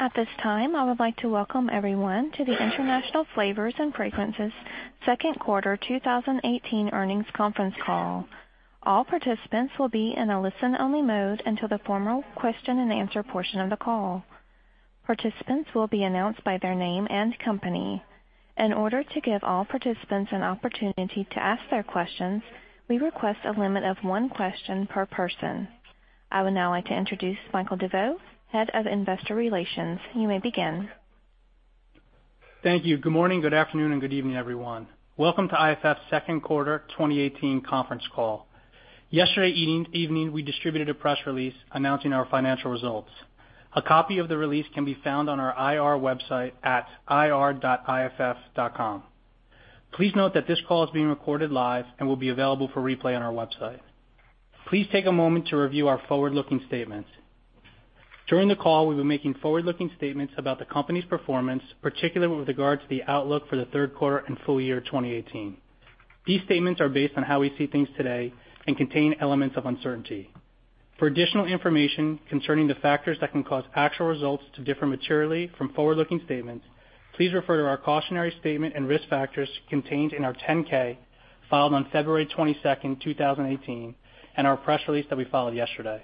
At this time, I would like to welcome everyone to the International Flavors & Fragrances second quarter 2018 earnings conference call. All participants will be in a listen-only mode until the formal question and answer portion of the call. Participants will be announced by their name and company. In order to give all participants an opportunity to ask their questions, we request a limit of one question per person. I would now like to introduce Michael DeVeau, Head of Investor Relations. You may begin. Thank you. Good morning, good afternoon, and good evening, everyone. Welcome to IFF's second quarter 2018 conference call. Yesterday evening, we distributed a press release announcing our financial results. A copy of the release can be found on our IR website at ir.iff.com. Please note that this call is being recorded live and will be available for replay on our website. Please take a moment to review our forward-looking statements. During the call, we'll be making forward-looking statements about the company's performance, particularly with regard to the outlook for the third quarter and full year 2018. These statements are based on how we see things today and contain elements of uncertainty. For additional information concerning the factors that can cause actual results to differ materially from forward-looking statements, please refer to our cautionary statement and risk factors contained in our 10-K filed on February 22nd, 2018, and our press release that we filed yesterday.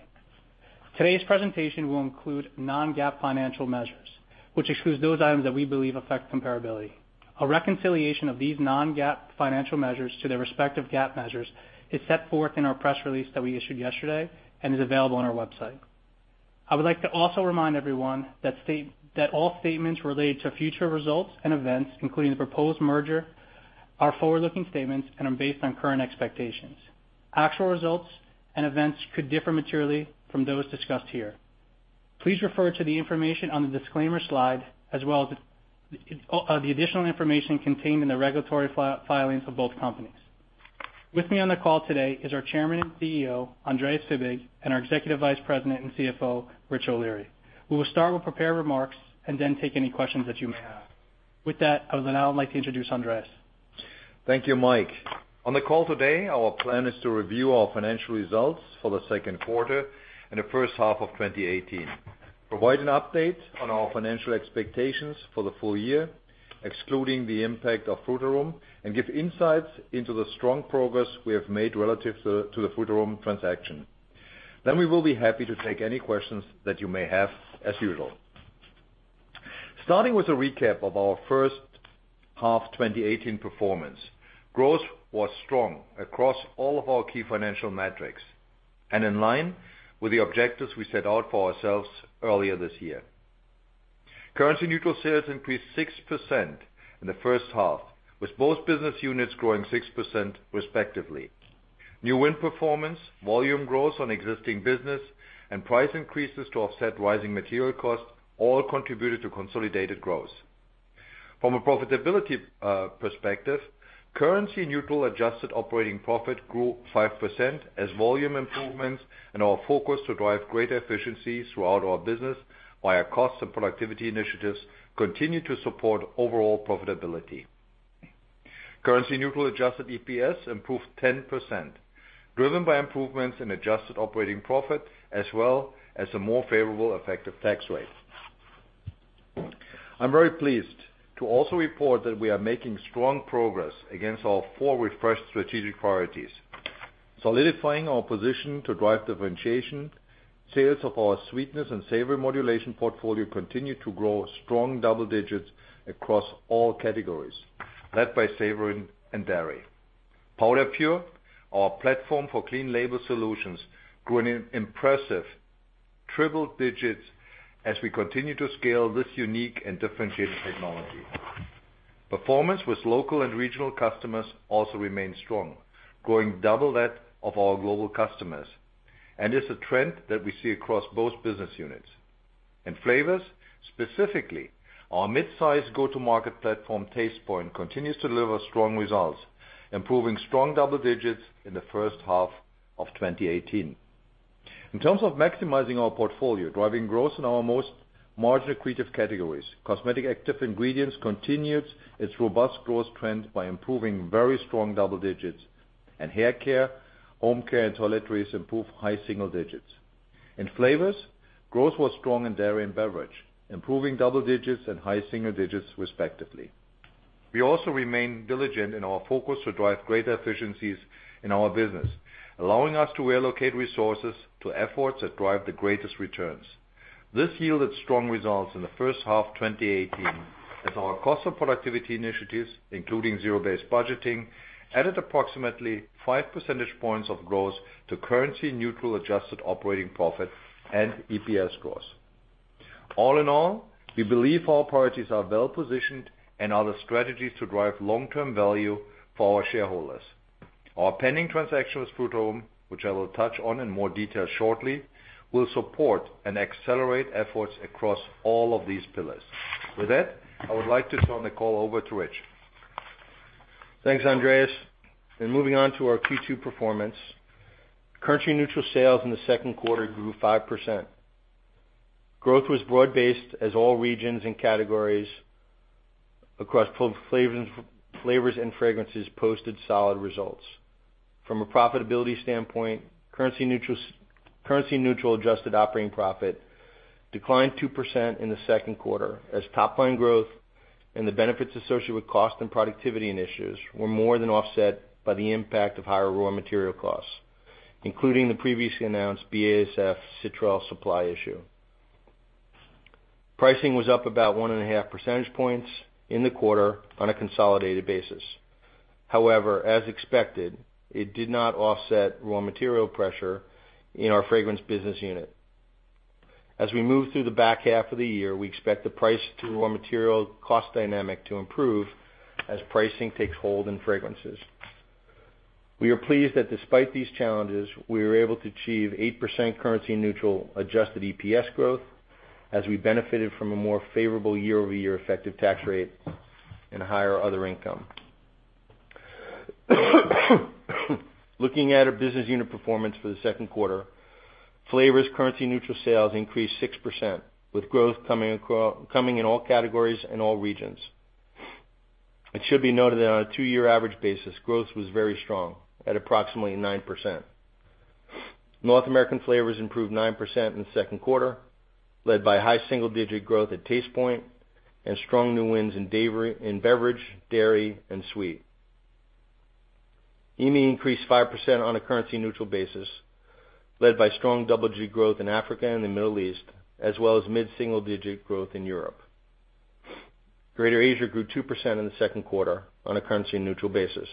Today's presentation will include non-GAAP financial measures, which excludes those items that we believe affect comparability. A reconciliation of these non-GAAP financial measures to their respective GAAP measures is set forth in our press release that we issued yesterday and is available on our website. I would like to also remind everyone that all statements related to future results and events, including the proposed merger are forward-looking statements and are based on current expectations. Actual results and events could differ materially from those discussed here. Please refer to the information on the disclaimer slide as well as the additional information contained in the regulatory filings of both companies. With me on the call today is our Chairman and CEO, Andreas Fibig, and our Executive Vice President and CFO, Richard O'Leary. We will start with prepared remarks. Then take any questions that you may have. With that, I would now like to introduce Andreas. Thank you, Mike. On the call today, our plan is to review our financial results for the second quarter and the first half of 2018, provide an update on our financial expectations for the full year, excluding the impact of Frutarom, and give insights into the strong progress we have made relative to the Frutarom transaction. We will be happy to take any questions that you may have as usual. Starting with a recap of our first half 2018 performance, growth was strong across all of our key financial metrics and in line with the objectives we set out for ourselves earlier this year. Currency neutral sales increased 6% in the first half, with both business units growing 6% respectively. New win performance, volume growth on existing business, and price increases to offset rising material costs all contributed to consolidated growth. From a profitability perspective, currency neutral adjusted operating profit grew 5% as volume improvements and our focus to drive greater efficiencies throughout our business via cost and productivity initiatives continue to support overall profitability. Currency neutral adjusted EPS improved 10%, driven by improvements in adjusted operating profit as well as a more favorable effective tax rate. I'm very pleased to also report that we are making strong progress against our four refreshed strategic priorities. Solidifying our position to drive differentiation, sales of our Sweetness and Savory Modulation portfolio continue to grow strong double digits across all categories, led by Savory and Dairy. PowderPure, our platform for clean label solutions, grew an impressive triple digits as we continue to scale this unique and differentiated technology. Performance with local and regional customers also remains strong, growing double that of our global customers, and is a trend that we see across both business units. In Flavors, specifically, our midsize go-to-market platform, Tastepoint, continues to deliver strong results, improving strong double digits in the first half of 2018. In terms of maximizing our portfolio, driving growth in our most margin-accretive categories, Cosmetic Active Ingredients continued its robust growth trend by improving very strong double digits in hair care, home care, and toiletries improved high single digits. In Flavors, growth was strong in dairy and beverage, improving double digits and high single digits respectively. We also remain diligent in our focus to drive greater efficiencies in our business, allowing us to reallocate resources to efforts that drive the greatest returns. This yielded strong results in the first half 2018 as our cost and productivity initiatives, including zero-based budgeting, added approximately five percentage points of growth to currency neutral adjusted operating profit and EPS growth. All in all, we believe our priorities are well positioned and are the strategies to drive long-term value for our shareholders. Our pending transaction with Frutarom, which I will touch on in more detail shortly, will support and accelerate efforts across all of these pillars. With that, I would like to turn the call over to Rich. Thanks, Andreas. Moving on to our Q2 performance. Currency neutral sales in the second quarter grew 5%. Growth was broad-based as all regions and categories Across Flavors and Fragrances posted solid results. From a profitability standpoint, currency-neutral adjusted operating profit declined 2% in the second quarter as top line growth and the benefits associated with cost and productivity initiatives were more than offset by the impact of higher raw material costs, including the previously announced BASF citral supply issue. Pricing was up about 1.5 percentage points in the quarter on a consolidated basis. However, as expected, it did not offset raw material pressure in our fragrance business unit. As we move through the back half of the year, we expect the price to raw material cost dynamic to improve as pricing takes hold in fragrances. We are pleased that despite these challenges, we were able to achieve 8% currency neutral adjusted EPS growth as we benefited from a more favorable year-over-year effective tax rate and higher other income. Looking at our business unit performance for the second quarter, Flavors' currency neutral sales increased 6%, with growth coming in all categories and all regions. It should be noted that on a two-year average basis, growth was very strong at approximately 9%. North American Flavors improved 9% in the second quarter, led by high single-digit growth at Tastepoint and strong new wins in beverage, dairy and sweet. EAME increased 5% on a currency-neutral basis, led by strong double-digit growth in Africa and the Middle East, as well as mid-single-digit growth in Europe. Greater Asia grew 2% in the second quarter on a currency neutral basis.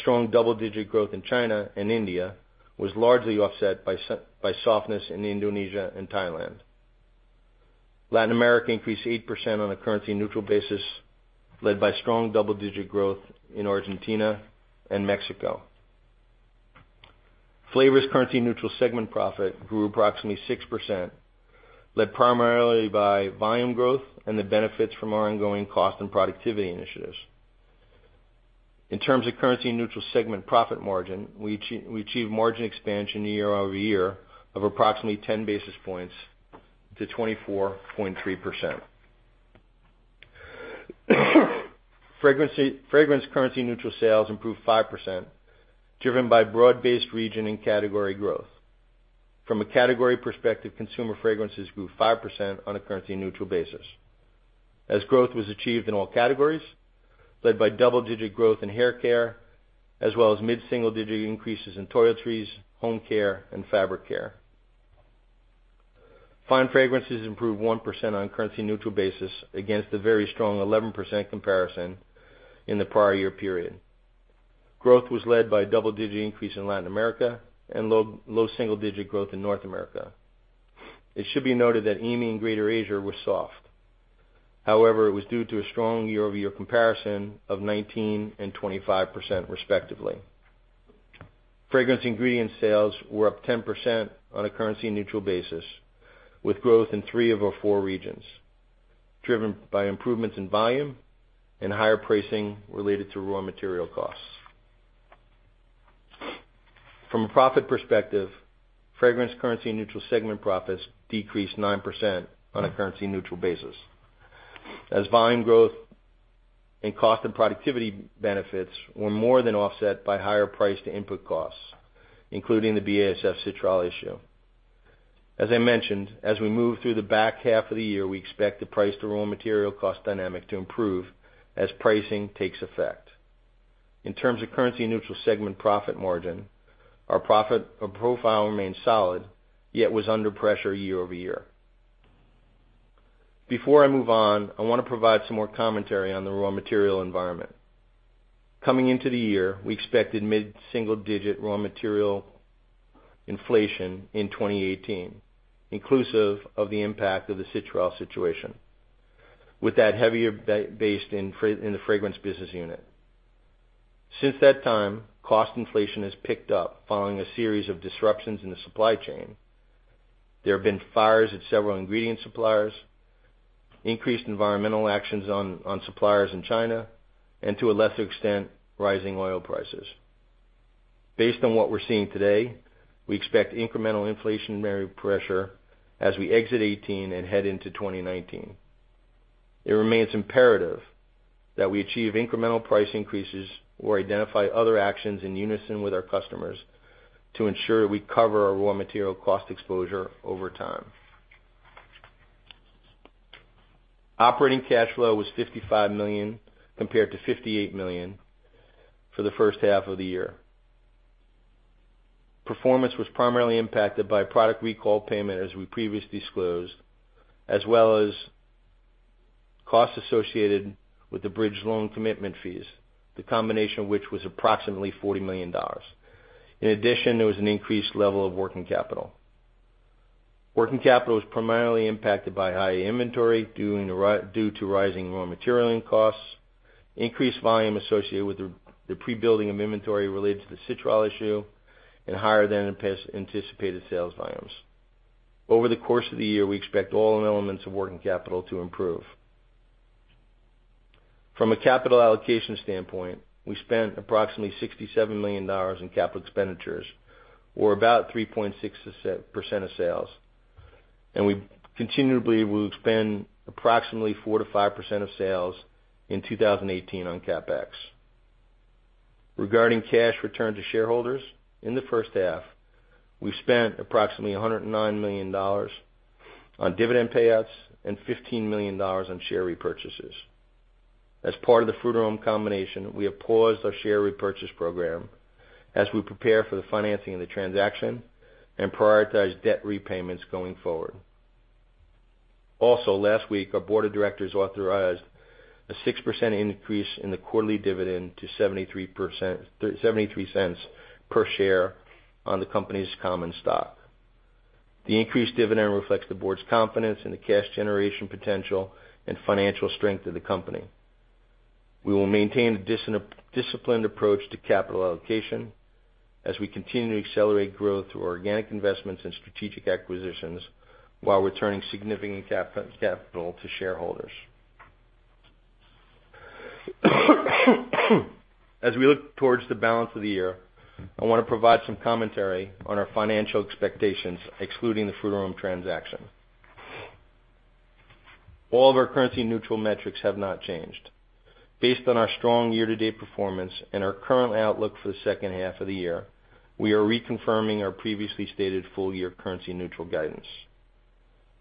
Strong double-digit growth in China and India was largely offset by softness in Indonesia and Thailand. Latin America increased 8% on a currency neutral basis, led by strong double-digit growth in Argentina and Mexico. Flavors' currency neutral segment profit grew approximately 6%, led primarily by volume growth and the benefits from our ongoing cost and productivity initiatives. In terms of currency neutral segment profit margin, we achieved margin expansion year-over-year of approximately 10 basis points to 24.3%. Fragrances' currency neutral sales improved 5%, driven by broad-based region and category growth. From a category perspective, Consumer Fragrances grew 5% on a currency neutral basis, as growth was achieved in all categories, led by double-digit growth in hair care, as well as mid-single-digit increases in toiletries, home care and fabric care. Fine Fragrances improved 1% on a currency neutral basis against a very strong 11% comparison in the prior year period. Growth was led by a double-digit increase in Latin America and low single-digit growth in North America. It should be noted that EAME and Greater Asia were soft. However, it was due to a strong year-over-year comparison of 19% and 25%, respectively. Fragrance ingredient sales were up 10% on a currency neutral basis, with growth in three of our four regions, driven by improvements in volume and higher pricing related to raw material costs. From a profit perspective, fragrance currency neutral segment profits decreased 9% on a currency neutral basis as volume growth and cost and productivity benefits were more than offset by higher price to input costs, including the BASF citral issue. As I mentioned, as we move through the back half of the year, we expect the price to raw material cost dynamic to improve as pricing takes effect. In terms of currency neutral segment profit margin, our profit profile remains solid, yet was under pressure year-over-year. Before I move on, I want to provide some more commentary on the raw material environment. Coming into the year, we expected mid-single digit raw material inflation in 2018, inclusive of the impact of the citral situation. With that heavier based in the fragrance business unit. Since that time, cost inflation has picked up following a series of disruptions in the supply chain. There have been fires at several ingredient suppliers, increased environmental actions on suppliers in China, and to a lesser extent, rising oil prices. Based on what we're seeing today, we expect incremental inflationary pressure as we exit 2018 and head into 2019. It remains imperative that we achieve incremental price increases or identify other actions in unison with our customers to ensure we cover our raw material cost exposure over time. Operating cash flow was $55 million compared to $58 million for the first half of the year. Performance was primarily impacted by a product recall payment as we previously disclosed, as well as costs associated with the bridge loan commitment fees, the combination of which was approximately $40 million. In addition, there was an increased level of working capital. Working capital was primarily impacted by high inventory due to rising raw material costs, increased volume associated with the pre-building of inventory related to the citral issue, and higher than anticipated sales volumes. Over the course of the year, we expect all elements of working capital to improve. From a capital allocation standpoint, we spent approximately $67 million in capital expenditures or about 3.6% of sales. We continually will spend approximately 4%-5% of sales in 2018 on CapEx. Regarding cash return to shareholders, in the first half, we spent approximately $109 million on dividend payouts and $15 million on share repurchases. As part of the Frutarom combination, we have paused our share repurchase program as we prepare for the financing of the transaction and prioritize debt repayments going forward. Last week, our board of directors authorized a 6% increase in the quarterly dividend to $0.73 per share on the company's common stock. The increased dividend reflects the board's confidence in the cash generation potential and financial strength of the company. We will maintain a disciplined approach to capital allocation as we continue to accelerate growth through organic investments and strategic acquisitions, while returning significant capital to shareholders. As we look towards the balance of the year, I want to provide some commentary on our financial expectations, excluding the Frutarom transaction. All of our currency-neutral metrics have not changed. Based on our strong year-to-date performance and our current outlook for the second half of the year, we are reconfirming our previously stated full-year currency-neutral guidance.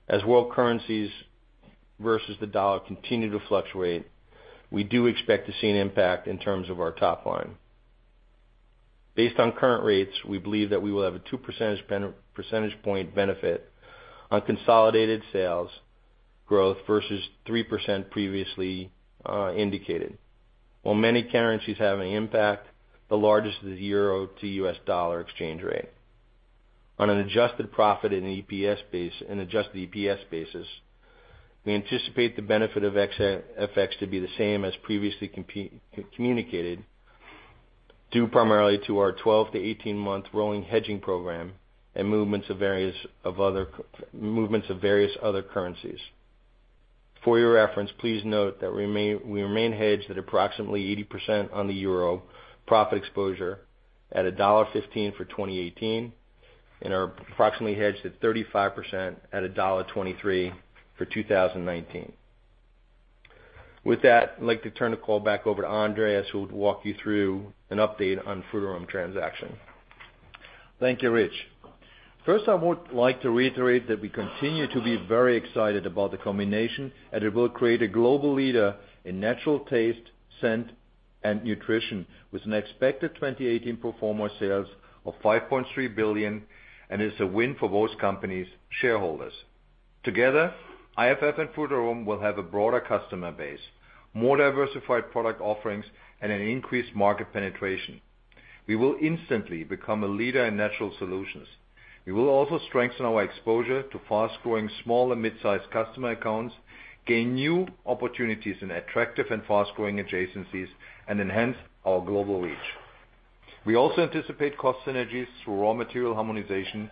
As world currencies versus the dollar continue to fluctuate, we do expect to see an impact in terms of our top line. Based on current rates, we believe that we will have a 2 percentage-point benefit on consolidated sales growth versus 3% previously indicated. While many currencies have an impact, the largest is the euro to U.S. dollar exchange rate. On an adjusted profit and adjusted EPS basis, we anticipate the benefit of FX to be the same as previously communicated, due primarily to our 12 to 18-month rolling hedging program and movements of various other currencies. For your reference, please note that we remain hedged at approximately 80% on the euro profit exposure at EUR 1.15 for 2018, and are approximately hedged at 35% at EUR 1.23 for 2019. With that, I'd like to turn the call back over to Andreas, who will walk you through an update on Frutarom transaction. Thank you, Rich. First, I would like to reiterate that we continue to be very excited about the combination, and it will create a global leader in natural taste, scent, and nutrition, with an expected 2018 pro forma sales of $5.3 billion, and is a win for both companies' shareholders. Together, IFF and Frutarom will have a broader customer base, more diversified product offerings, and an increased market penetration. We will instantly become a leader in natural solutions. We will also strengthen our exposure to fast-growing small and mid-sized customer accounts, gain new opportunities in attractive and fast-growing adjacencies, and enhance our global reach. We also anticipate cost synergies through raw material harmonization,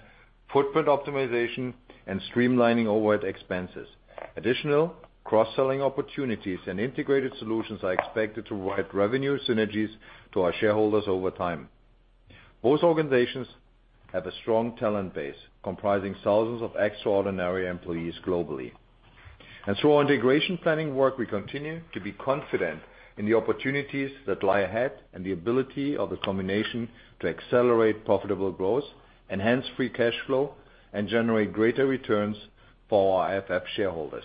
footprint optimization, and streamlining overhead expenses. Additional cross-selling opportunities and integrated solutions are expected to provide revenue synergies to our shareholders over time. Both organizations have a strong talent base comprising thousands of extraordinary employees globally. Through our integration planning work, we continue to be confident in the opportunities that lie ahead and the ability of the combination to accelerate profitable growth, enhance free cash flow, and generate greater returns for our IFF shareholders.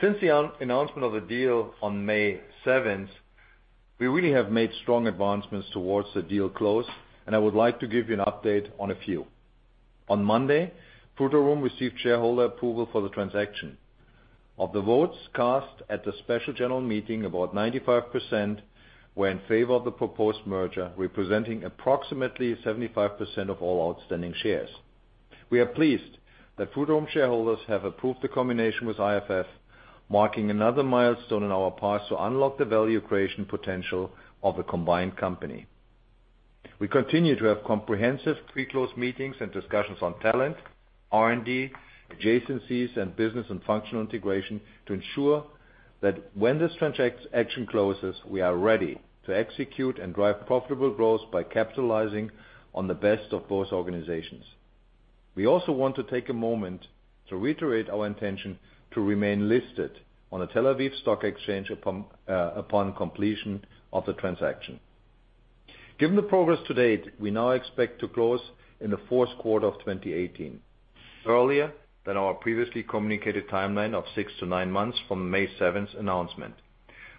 Since the announcement of the deal on May 7th, we really have made strong advancements towards the deal close, I would like to give you an update on a few. On Monday, Frutarom received shareholder approval for the transaction. Of the votes cast at the special general meeting, about 95% were in favor of the proposed merger, representing approximately 75% of all outstanding shares. We are pleased that Frutarom shareholders have approved the combination with IFF, marking another milestone on our path to unlock the value creation potential of the combined company. We continue to have comprehensive pre-close meetings and discussions on talent, R&D, adjacencies, and business and functional integration to ensure that when this transaction closes, we are ready to execute and drive profitable growth by capitalizing on the best of both organizations. We also want to take a moment to reiterate our intention to remain listed on the Tel Aviv Stock Exchange upon completion of the transaction. Given the progress to date, we now expect to close in the fourth quarter of 2018, earlier than our previously communicated timeline of six to nine months from the May 7th announcement.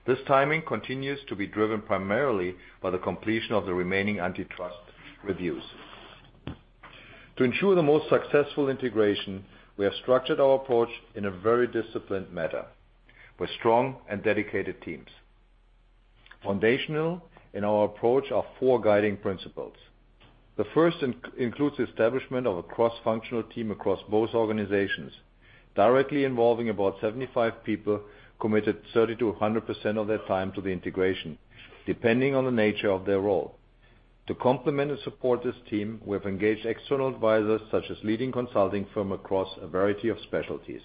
This timing continues to be driven primarily by the completion of the remaining antitrust reviews. To ensure the most successful integration, we have structured our approach in a very disciplined manner with strong and dedicated teams. Foundational in our approach are four guiding principles. The first includes establishment of a cross-functional team across both organizations, directly involving about 75 people committed 30%-100% of their time to the integration, depending on the nature of their role. To complement and support this team, we have engaged external advisors such as leading consulting firm across a variety of specialties.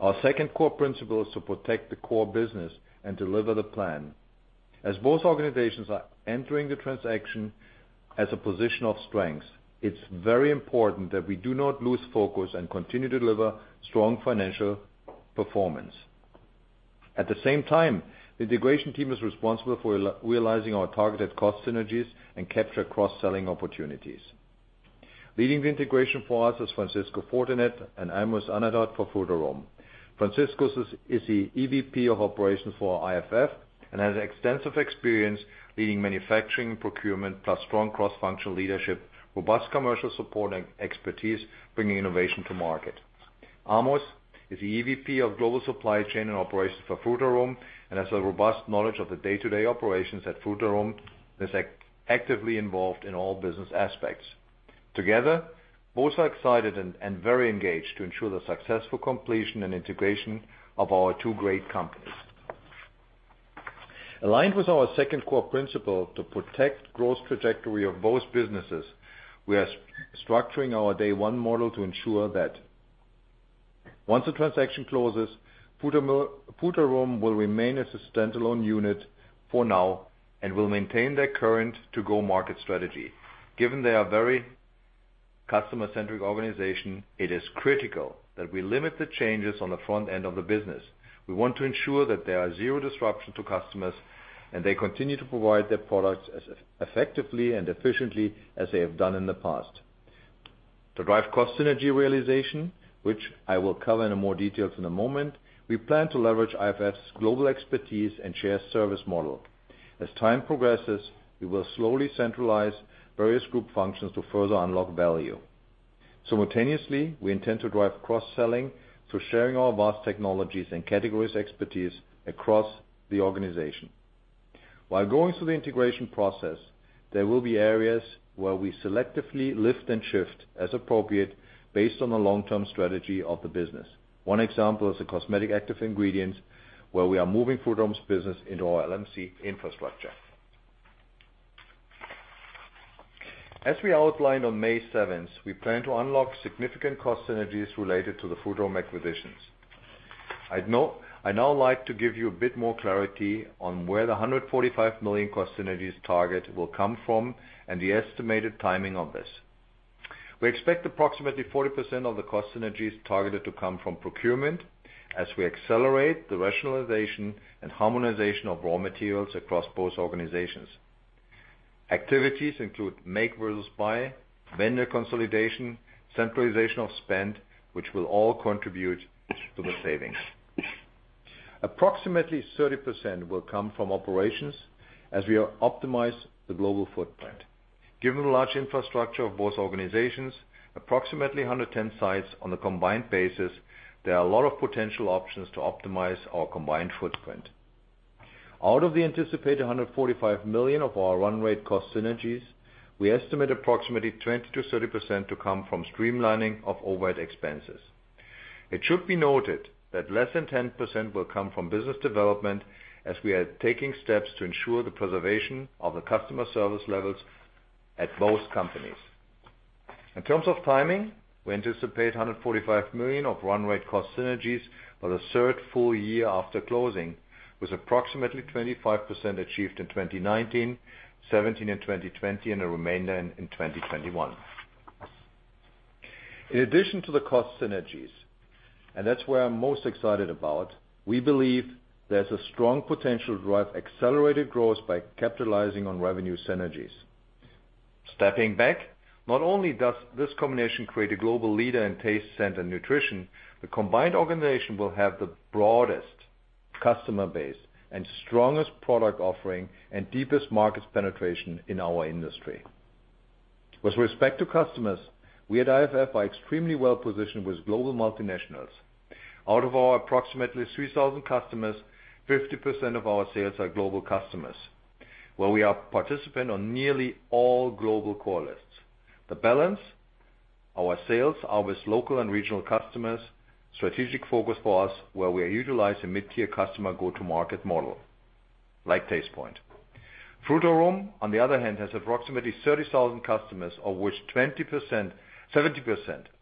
Our second core principle is to protect the core business and deliver the plan. As both organizations are entering the transaction as a position of strength, it's very important that we do not lose focus and continue to deliver strong financial performance. At the same time, the integration team is responsible for realizing our targeted cost synergies and capture cross-selling opportunities. Leading the integration for us is Francisco Fortanet and Amos Anatot for Frutarom. Francisco is the EVP of operations for IFF and has extensive experience leading manufacturing, procurement, plus strong cross-functional leadership, robust commercial support expertise, bringing innovation to market. Amos is the EVP of global supply chain and operations for Frutarom and has a robust knowledge of the day-to-day operations at Frutarom, and is actively involved in all business aspects. Together, both are excited and very engaged to ensure the successful completion and integration of our two great companies. Aligned with our second core principle to protect growth trajectory of both businesses, we are structuring our day one model to ensure that once the transaction closes, Frutarom will remain as a standalone unit for now and will maintain their current go-to-market strategy. Given they are very customer-centric organization, it is critical that we limit the changes on the front end of the business. We want to ensure that there are zero disruption to customers, and they continue to provide their products as effectively and efficiently as they have done in the past. To drive cost synergy realization, which I will cover in more details in a moment, we plan to leverage IFF's global expertise and shared service model. As time progresses, we will slowly centralize various group functions to further unlock value. Simultaneously, we intend to drive cross-selling through sharing our vast technologies and categories expertise across the organization. While going through the integration process, there will be areas where we selectively lift and shift as appropriate based on the long-term strategy of the business. One example is the Cosmetic Active Ingredients where we are moving Frutarom's business into our LMR infrastructure. As we outlined on May 7th, we plan to unlock significant cost synergies related to the Frutarom acquisitions. I'd now like to give you a bit more clarity on where the $145 million cost synergies target will come from and the estimated timing of this. We expect approximately 40% of the cost synergies targeted to come from procurement as we accelerate the rationalization and harmonization of raw materials across both organizations. Activities include make versus buy, vendor consolidation, centralization of spend, which will all contribute to the savings. Approximately 30% will come from operations as we optimize the global footprint. Given the large infrastructure of both organizations, approximately 110 sites on a combined basis, there are a lot of potential options to optimize our combined footprint. Out of the anticipated $145 million of our run rate cost synergies, we estimate approximately 20%-30% to come from streamlining of overhead expenses. It should be noted that less than 10% will come from business development as we are taking steps to ensure the preservation of the customer service levels at both companies. In terms of timing, we anticipate $145 million of run rate cost synergies by the third full year after closing, with approximately 25% achieved in 2019, 17% in 2020, and the remainder in 2021. In addition to the cost synergies, and that's where I'm most excited about, we believe there's a strong potential to drive accelerated growth by capitalizing on revenue synergies. Stepping back, not only does this combination create a global leader in taste, scent, and nutrition, the combined organization will have the broadest customer base and strongest product offering and deepest market penetration in our industry. With respect to customers, we at IFF are extremely well-positioned with global multinationals. Out of our approximately 3,000 customers, 50% of our sales are global customers, where we are participant on nearly all global core lists. The balance, our sales are with local and regional customers, strategic focus for us, where we are utilizing mid-tier customer go-to-market model like Tastepoint. Frutarom, on the other hand, has approximately 30,000 customers, of which 70%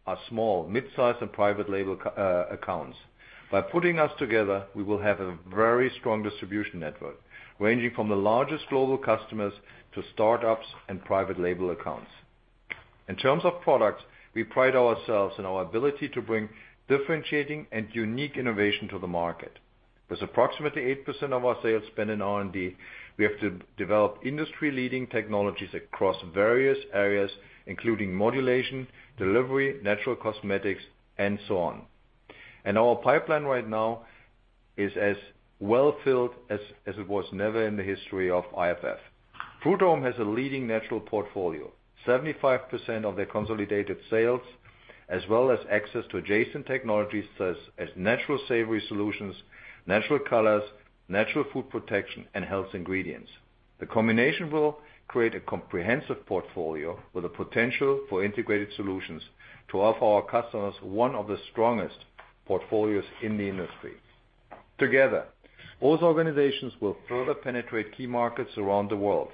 are small, mid-size, and private label accounts. By putting us together, we will have a very strong distribution network, ranging from the largest global customers to startups and private label accounts. In terms of products, we pride ourselves on our ability to bring differentiating and unique innovation to the market. With approximately 8% of our sales spent in R&D, we have developed industry-leading technologies across various areas, including modulation, delivery, natural cosmetics, and so on. Our pipeline right now is as well-filled as it was never in the history of IFF. Frutarom has a leading natural portfolio. 75% of their consolidated sales, as well as access to adjacent technologies such as natural savory solutions, natural colors, natural food protection, and health ingredients. The combination will create a comprehensive portfolio with a potential for integrated solutions to offer our customers one of the strongest portfolios in the industry. Together, both organizations will further penetrate key markets around the world.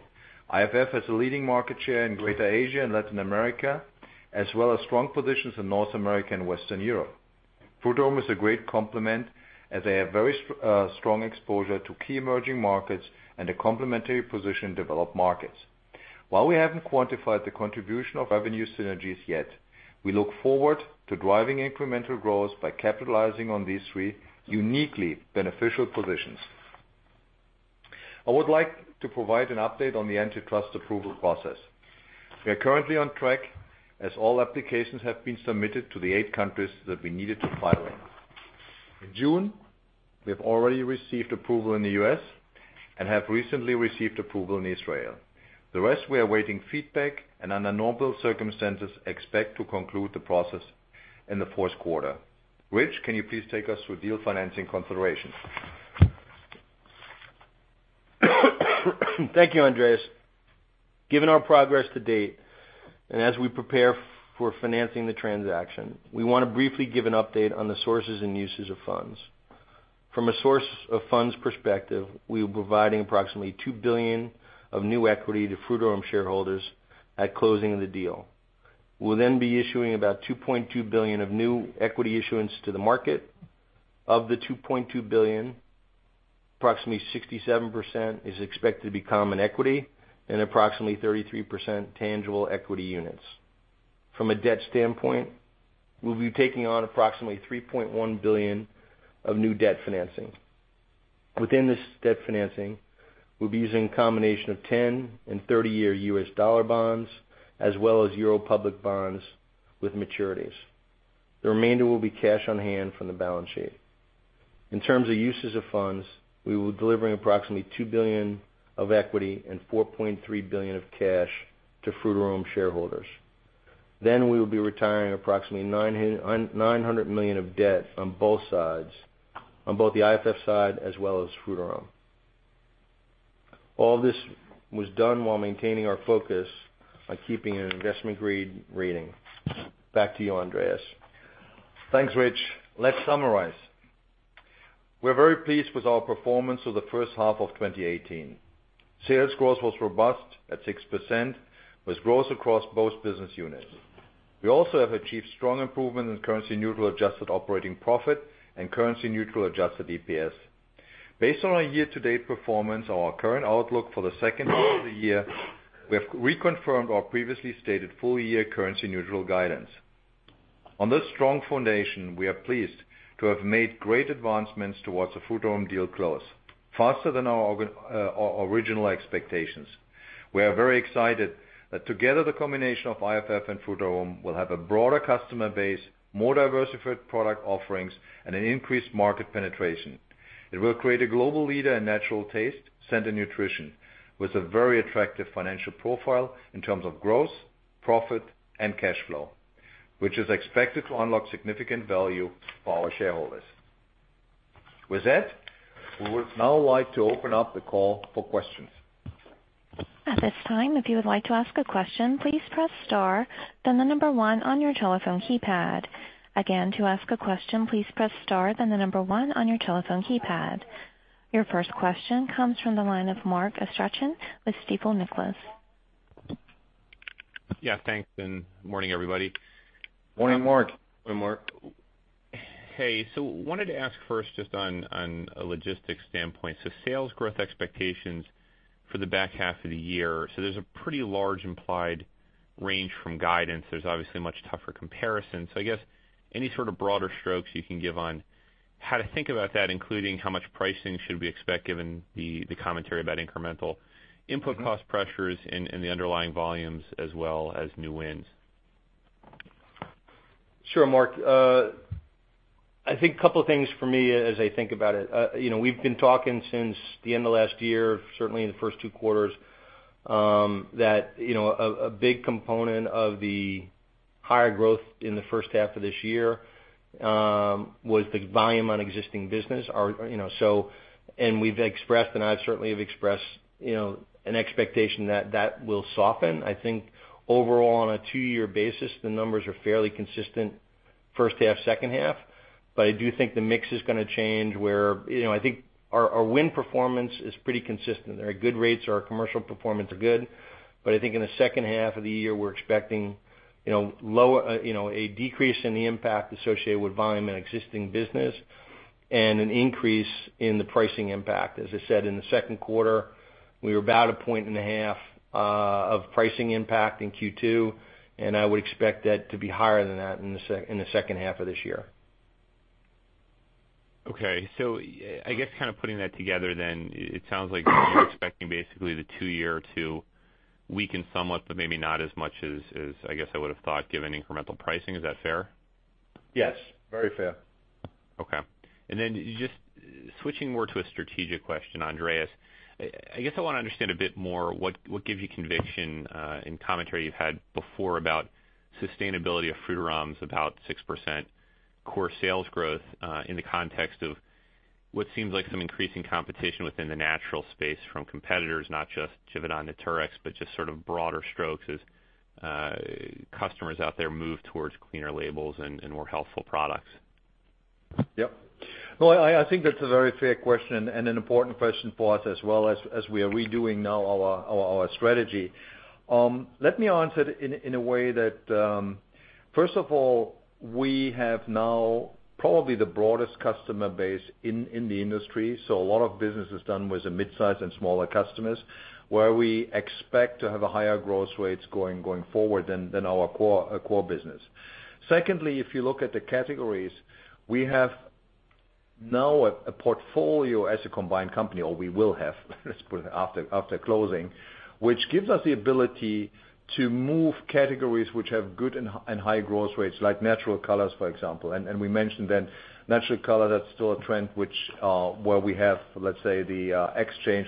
IFF has a leading market share in Greater Asia and Latin America, as well as strong positions in North America and Western Europe. Frutarom is a great complement as they have very strong exposure to key emerging markets and a complementary position in developed markets. While we haven't quantified the contribution of revenue synergies yet, we look forward to driving incremental growth by capitalizing on these three uniquely beneficial positions. I would like to provide an update on the antitrust approval process. We are currently on track as all applications have been submitted to the 8 countries that we needed to file in. In June, we have already received approval in the U.S. and have recently received approval in Israel. The rest, we are awaiting feedback, and under normal circumstances, expect to conclude the process in the fourth quarter. Rich, can you please take us through deal financing considerations? Thank you, Andreas. Given our progress to date, and as we prepare for financing the transaction, we want to briefly give an update on the sources and uses of funds. From a source of funds perspective, we are providing approximately $2 billion of new equity to Frutarom shareholders at closing of the deal. We'll be issuing about $2.2 billion of new equity issuance to the market. Of the $2.2 billion, approximately 67% is expected to become an equity and approximately 33% tangible equity units. From a debt standpoint, we'll be taking on approximately $3.1 billion of new debt financing. Within this debt financing, we'll be using a combination of 10 and 30-year U.S. dollar bonds, as well as EUR public bonds with maturities. The remainder will be cash on hand from the balance sheet. In terms of uses of funds, we will be delivering approximately $2 billion of equity and $4.3 billion of cash to Frutarom shareholders. We will be retiring approximately $900 million of debt on both sides, on both the IFF side as well as Frutarom. All this was done while maintaining our focus on keeping an investment-grade rating. Back to you, Andreas. Thanks, Rich. Let's summarize. We're very pleased with our performance for the first half of 2018. Sales growth was robust at 6%, with growth across both business units. We also have achieved strong improvement in currency neutral adjusted operating profit and currency neutral adjusted EPS. Based on our year-to-date performance and our current outlook for the second half of the year, we have reconfirmed our previously stated full-year currency neutral guidance. On this strong foundation, we are pleased to have made great advancements towards the Frutarom deal close faster than our original expectations. We are very excited that together, the combination of IFF and Frutarom will have a broader customer base, more diversified product offerings, and an increased market penetration. It will create a global leader in natural taste, scent and nutrition, with a very attractive financial profile in terms of growth, profit, and cash flow, which is expected to unlock significant value for our shareholders. With that, we would now like to open up the call for questions. At this time, if you would like to ask a question, please press star, then the number 1 on your telephone keypad. Again, to ask a question, please press star, then the number 1 on your telephone keypad. Your first question comes from the line of Mark Astrachan with Stifel Nicolaus. Yeah. Thanks, morning, everybody. Morning, Mark. Morning, Mark. Hey. Wanted to ask first just on a logistics standpoint, sales growth expectations for the back half of the year. There's a pretty large implied range from guidance. There's obviously a much tougher comparison. I guess any sort of broader strokes you can give on how to think about that, including how much pricing should we expect given the commentary about incremental input cost pressures and the underlying volumes as well as new wins? Sure, Mark. I think a couple of things for me as I think about it. We've been talking since the end of last year, certainly in the first two quarters, that a big component of the higher growth in the first half of this year was the volume on existing business. We've expressed, and I certainly have expressed, an expectation that that will soften. I think overall, on a two-year basis, the numbers are fairly consistent first half, second half. I do think the mix is gonna change where I think our win performance is pretty consistent. Our good rates or our commercial performance are good, I think in the second half of the year, we're expecting a decrease in the impact associated with volume in existing business and an increase in the pricing impact. As I said, in the second quarter, we were about a point and a half of pricing impact in Q2. I would expect that to be higher than that in the second half of this year. I guess kind of putting that together then, it sounds like you're expecting basically the two year to weaken somewhat, but maybe not as much as I guess I would've thought given incremental pricing. Is that fair? Yes. Very fair. Just switching more to a strategic question, Andreas, I guess I wanna understand a bit more what gives you conviction in commentary you've had before about sustainability of Frutarom's about 6% core sales growth, in the context of what seems like some increasing competition within the natural space from competitors, not just Givaudan or Firmenich, but just sort of broader strokes as customers out there move towards cleaner labels and more healthful products? I think that's a very fair question and an important question for us as well as we are redoing now our strategy. Let me answer in a way that, first of all, we have now probably the broadest customer base in the industry. A lot of business is done with the mid-size and smaller customers, where we expect to have higher growth rates going forward than our core business. Secondly, if you look at the categories, we have now a portfolio as a combined company, or we will have, let's put it, after closing, which gives us the ability to move categories which have good and high growth rates like natural colors, for example. We mentioned that natural color, that's still a trend where we have, let's say, the exchange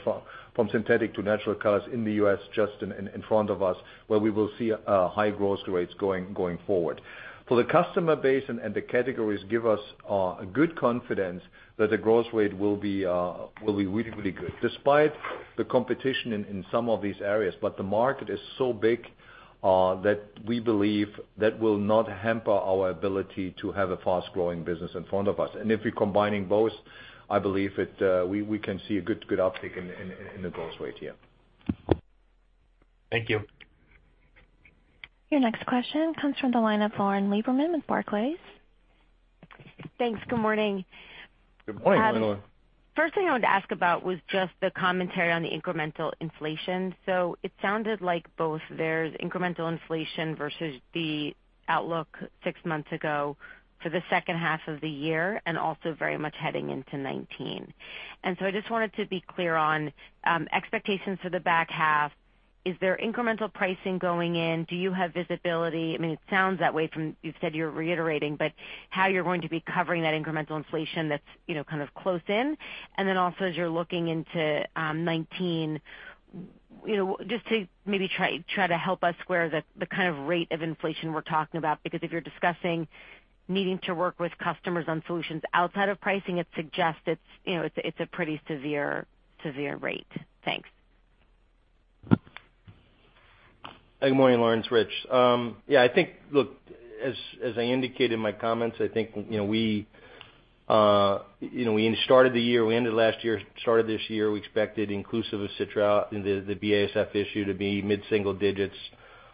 from synthetic to natural colors in the U.S. just in front of us, where we will see high growth rates going forward. For the customer base and the categories give us good confidence that the growth rate will be really good despite the competition in some of these areas. The market is so big that we believe that will not hamper our ability to have a fast-growing business in front of us. If we're combining both, I believe we can see a good uptake in the growth rate here. Thank you. Your next question comes from the line of Lauren Lieberman with Barclays. Thanks. Good morning. Good morning, Lauren. First thing I wanted to ask about was just the commentary on the incremental inflation. It sounded like both there's incremental inflation versus the outlook 6 months ago for the second half of the year and also very much heading into 2019. I just wanted to be clear on expectations for the back half. Is there incremental pricing going in? Do you have visibility? I mean, it sounds that way from you've said you're reiterating, but how you're going to be covering that incremental inflation that's close in. Also as you're looking into 2019, just to maybe try to help us square the kind of rate of inflation we're talking about. Because if you're discussing needing to work with customers on solutions outside of pricing, it suggests it's a pretty severe rate. Thanks. Good morning, Lauren. It's Rich. I think, look, as I indicated in my comments, I think we ended last year, started this year, we expected inclusive of citral, the BASF issue to be mid-single-digits.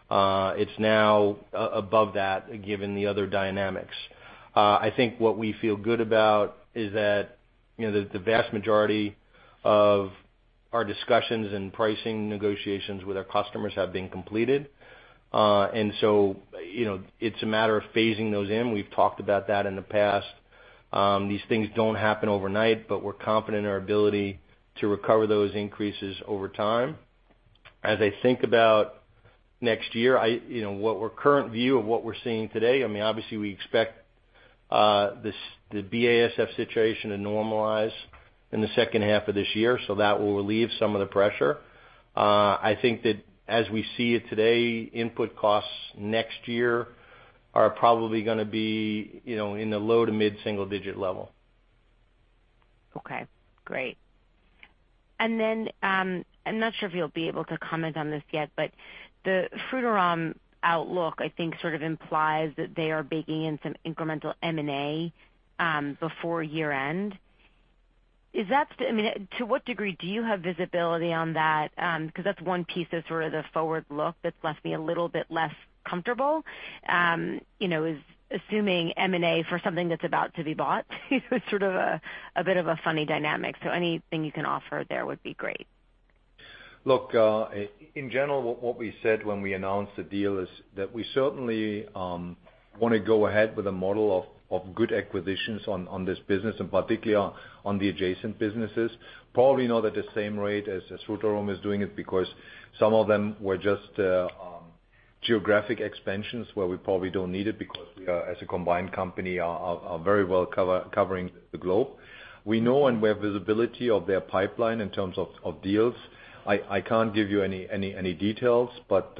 It's now above that given the other dynamics. I think what we feel good about is that the vast majority of our discussions and pricing negotiations with our customers have been completed. It's a matter of phasing those in. We've talked about that in the past. These things don't happen overnight, but we're confident in our ability to recover those increases over time. As I think about next year, our current view of what we're seeing today, obviously we expect the BASF situation to normalize in the second half of this year, so that will relieve some of the pressure. I think that as we see it today, input costs next year are probably going to be in the low to mid-single-digit level. Okay, great. I'm not sure if you'll be able to comment on this yet, but the Frutarom outlook, I think sort of implies that they are baking in some incremental M&A before year-end. To what degree do you have visibility on that? Because that's one piece that's sort of the forward look that's left me a little bit less comfortable, is assuming M&A for something that's about to be bought is sort of a bit of a funny dynamic. Anything you can offer there would be great. Look, in general, what we said when we announced the deal is that we certainly want to go ahead with a model of good acquisitions on this business and particularly on the adjacent businesses. Probably not at the same rate as Frutarom is doing it because some of them were just geographic expansions where we probably don't need it because we are, as a combined company, are very well covering the globe. We know and we have visibility of their pipeline in terms of deals. I can't give you any details, but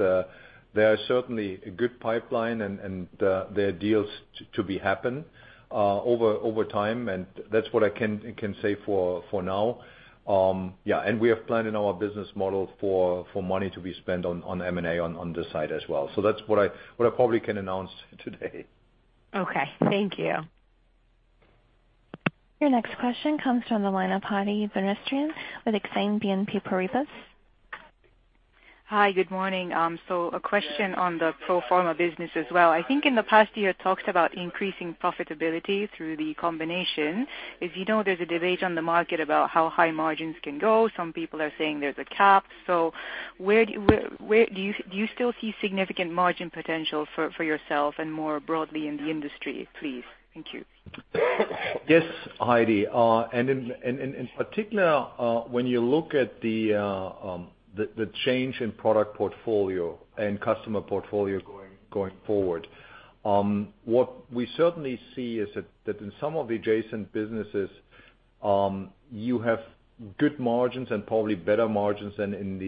there are certainly a good pipeline and there are deals to be happen over time, and that's what I can say for now. Yeah, and we have planned in our business model for money to be spent on M&A on this side as well. That's what I probably can announce today. Okay. Thank you. Your next question comes from the line of Heidi Vesterinen with Exane BNP Paribas. Hi. Good morning. A question on the pro forma business as well. You talked about increasing profitability through the combination. If you know, there's a debate on the market about how high margins can go. Some people are saying there's a cap. Do you still see significant margin potential for yourself and more broadly in the industry, please? Thank you. Yes, Heidi. In particular, when you look at the change in product portfolio and customer portfolio going forward, what we certainly see is that in some of the adjacent businesses, you have good margins and probably better margins than in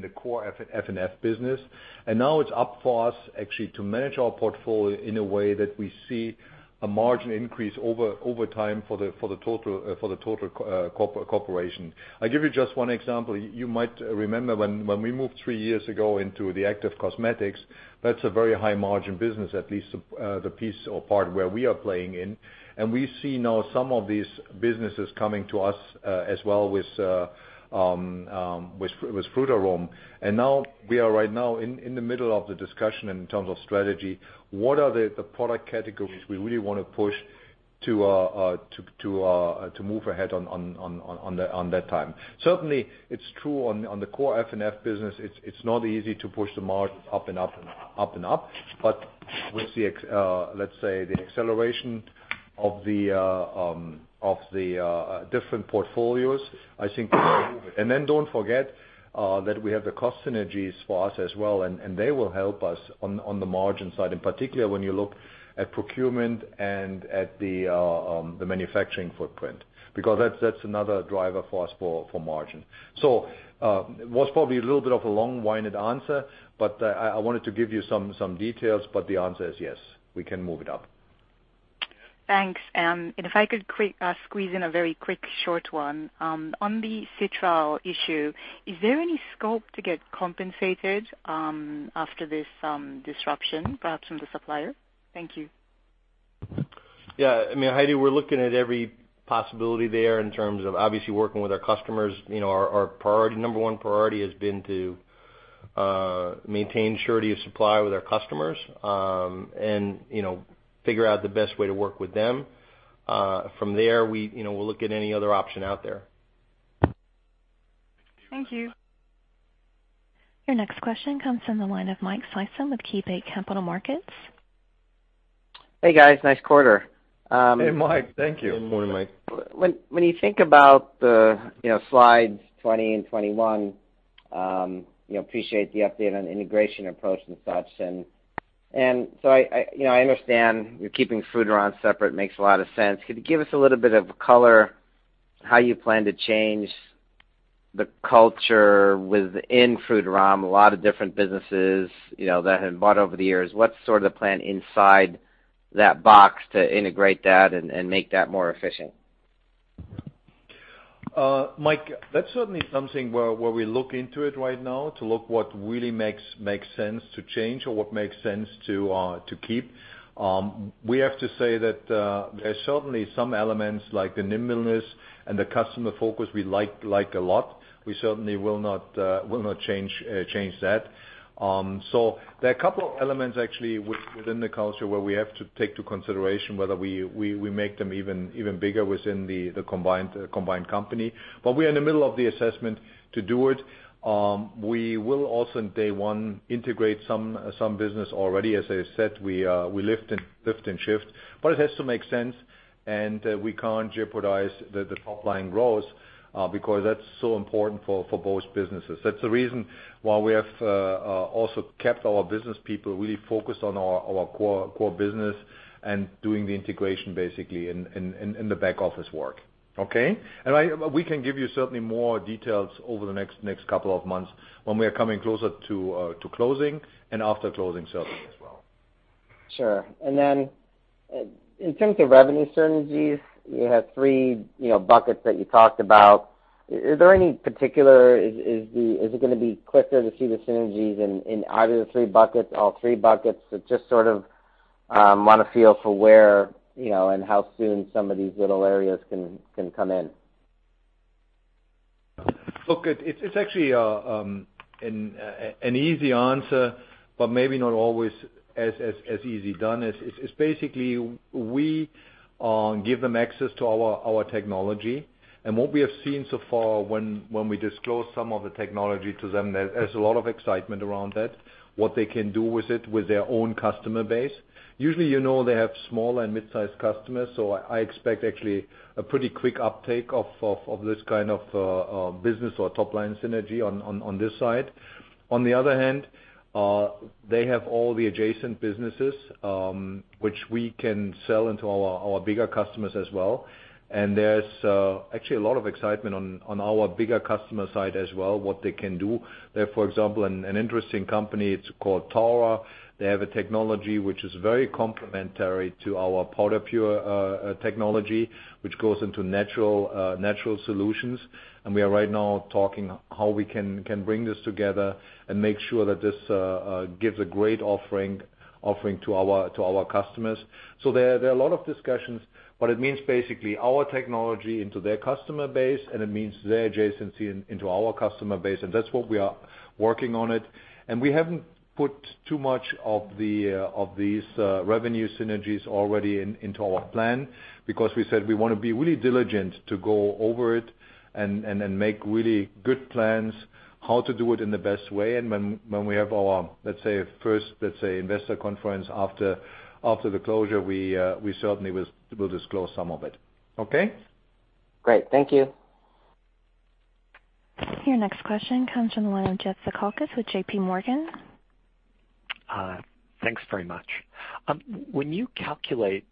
the core F&F business. Now it's up for us actually to manage our portfolio in a way that we see a margin increase over time for the total corporation. I'll give you just one example. You might remember when we moved three years ago into the Active Cosmetics, that's a very high margin business, at least the piece or part where we are playing in. We see now some of these businesses coming to us as well with Frutarom. Now we are right now in the middle of the discussion in terms of strategy. What are the product categories we really want to push? To move ahead on that time. Certainly, it's true on the core F&F business, it's not easy to push the margins up and up. With, let's say, the acceleration of the different portfolios, I think don't forget that we have the cost synergies for us as well, and they will help us on the margin side, in particular when you look at procurement and at the manufacturing footprint, because that's another driver for us for margin. It was probably a little bit of a long-winded answer, but I wanted to give you some details. The answer is yes, we can move it up. Thanks. If I could squeeze in a very quick short one. On the citral issue, is there any scope to get compensated after this disruption, perhaps from the supplier? Thank you. Yeah. Heidi, we're looking at every possibility there in terms of obviously working with our customers. Our number one priority has been to maintain surety of supply with our customers, and figure out the best way to work with them. From there, we'll look at any other option out there. Thank you. Your next question comes from the line of Michael Sison with KeyBanc Capital Markets. Hey, guys. Nice quarter. Hey, Mike. Thank you. Good morning, Mike. When you think about slides 20 and 21, appreciate the update on the integration approach and such. I understand you're keeping Frutarom separate, makes a lot of sense. Could you give us a little bit of color how you plan to change the culture within Frutarom? A lot of different businesses that have bought over the years. What's sort of the plan inside that box to integrate that and make that more efficient? Mike, that's certainly something where we look into it right now to look what really makes sense to change or what makes sense to keep. We have to say that there's certainly some elements like the nimbleness and the customer focus we like a lot. We certainly will not change that. There are a couple of elements actually within the culture where we have to take to consideration whether we make them even bigger within the combined company. We are in the middle of the assessment to do it. We will also, day one, integrate some business already. As I said, we lift and shift, it has to make sense and we can't jeopardize the top-line growth, because that's so important for both businesses. That's the reason why we have also kept our business people really focused on our core business and doing the integration basically and the back office work. Okay? We can give you certainly more details over the next couple of months when we are coming closer to closing, and after closing certainly as well. Sure. Then in terms of revenue synergies, you have three buckets that you talked about. Is it going to be quicker to see the synergies in either the three buckets or three buckets? Just sort of want a feel for where and how soon some of these little areas can come in. Look, it's actually an easy answer, but maybe not always as easy done. It's basically, we give them access to our technology. What we have seen so far when we disclose some of the technology to them, there's a lot of excitement around that, what they can do with it, with their own customer base. Usually, you know they have small and mid-size customers, so I expect actually a pretty quick uptake of this kind of business or top-line synergy on this side. On the other hand, they have all the adjacent businesses, which we can sell into our bigger customers as well. There's actually a lot of excitement on our bigger customer side as well, what they can do. There, for example, an interesting company, it's called PowderPure. They have a technology which is very complementary to our PowderPure technology, which goes into natural solutions. We are right now talking how we can bring this together and make sure that this gives a great offering to our customers. There are a lot of discussions. It means basically our technology into their customer base, and it means their adjacency into our customer base. That's what we are working on it. We haven't put too much of these revenue synergies already into our plan because we said we want to be really diligent to go over it and then make really good plans how to do it in the best way. When we have our, let's say, first investor conference after the closure, we certainly will disclose some of it. Okay? Great. Thank you. Your next question comes from the line of Jeff Zekauskas with J.P. Morgan. Thanks very much. When you calculate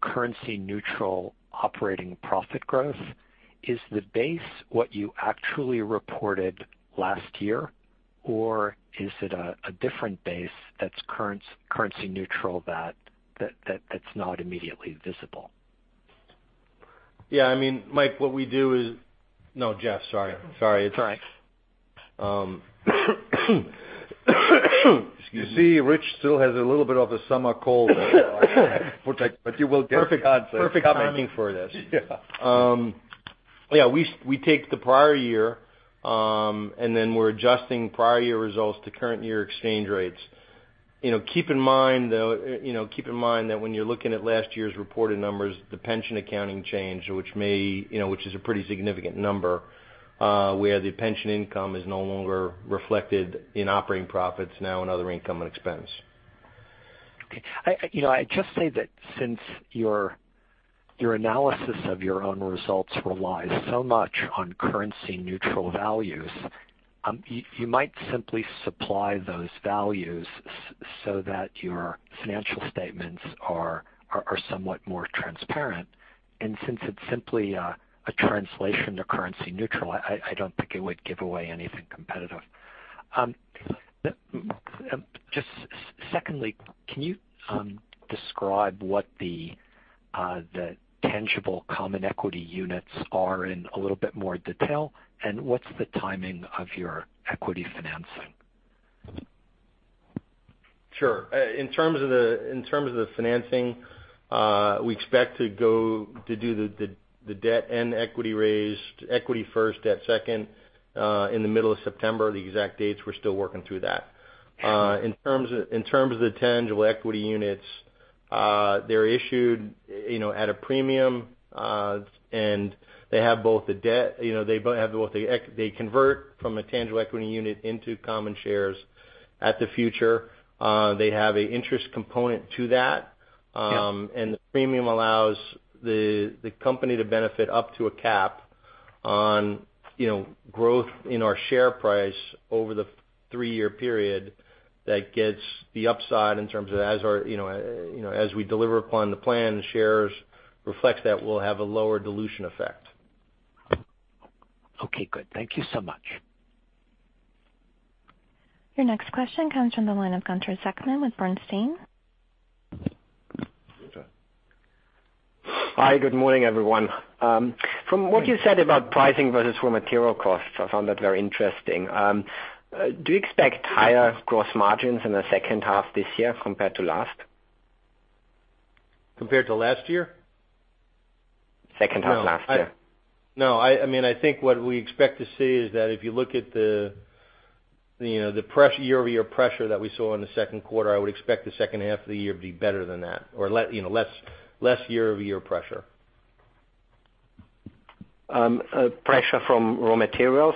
currency neutral operating profit growth, is the base what you actually reported last year, or is it a different base that's currency neutral, that's not immediately visible? Yeah. Mike. No, Jeff, sorry. It's all right. Excuse me. You see, Rich still has a little bit of a summer cold but you will get Perfect timing for this. Yeah. Yeah, we take the prior year, then we're adjusting prior year results to current year exchange rates. Keep in mind though, that when you're looking at last year's reported numbers, the pension accounting change, which is a pretty significant number, where the pension income is no longer reflected in operating profits, now in other income and expense. Okay. I just say that since your analysis of your own results relies so much on currency-neutral values, you might simply supply those values so that your financial statements are somewhat more transparent. Since it's simply a translation to currency-neutral, I don't think it would give away anything competitive. Just secondly, can you describe what the tangible equity units are in a little bit more detail, and what's the timing of your equity financing? Sure. In terms of the financing, we expect to do the debt and equity raise, equity first, debt second, in the middle of September. The exact dates, we're still working through that. In terms of the tangible equity units, they're issued at a premium, they convert from a tangible equity unit into common shares at the future. They have an interest component to that. Yes. The premium allows the company to benefit up to a cap on growth in our share price over the three-year period that gets the upside in terms of as we deliver upon the plan, the shares reflect that we'll have a lower dilution effect. Okay, good. Thank you so much. Your next question comes from the line of Gunther Zechmann with Bernstein. Hi. Good morning, everyone. From what you said about pricing versus raw material costs, I found that very interesting. Do you expect higher gross margins in the second half this year compared to last? Compared to last year? Second half last year. No. I think what we expect to see is that if you look at the year-over-year pressure that we saw in the second quarter, I would expect the second half of the year to be better than that, or less year-over-year pressure. Pressure from raw materials,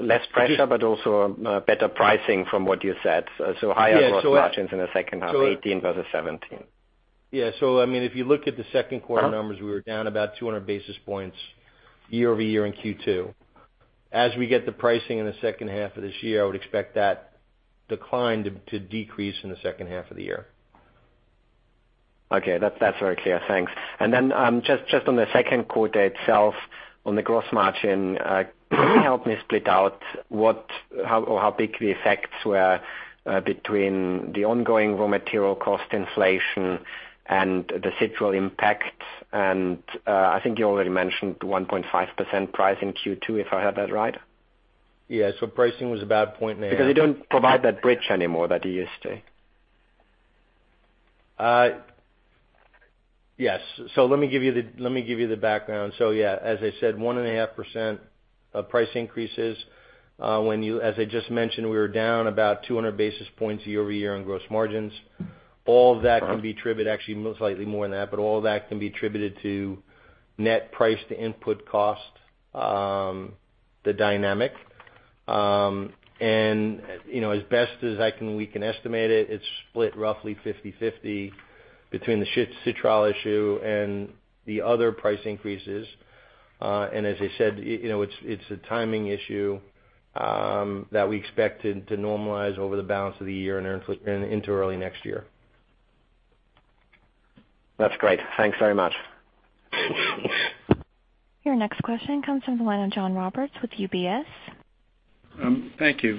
less pressure, but also better pricing from what you said. Higher gross margins in the second half 2018 versus 2017. Yeah. If you look at the second quarter numbers, we were down about 200 basis points year-over-year in Q2. As we get the pricing in the second half of this year, I would expect that decline to decrease in the second half of the year. Okay. That's very clear. Thanks. Then just on the second quarter itself, on the gross margin, can you help me split out how big the effects were between the ongoing raw material cost inflation and the citral impact? I think you already mentioned the 1.5% price in Q2, if I heard that right. Pricing was about 1.5%. You don't provide that bridge anymore that you used to. Yes. Let me give you the background. As I said, 1.5% price increases. As I just mentioned, we were down about 200 basis points year-over-year on gross margins. Actually, most likely more than that, but all that can be attributed to net price to input cost, the dynamic. As best as we can estimate it's split roughly 50/50 between the citral issue and the other price increases. As I said, it's a timing issue that we expect to normalize over the balance of the year and into early next year. That's great. Thanks very much. Your next question comes from the line of John Roberts with UBS. Thank you.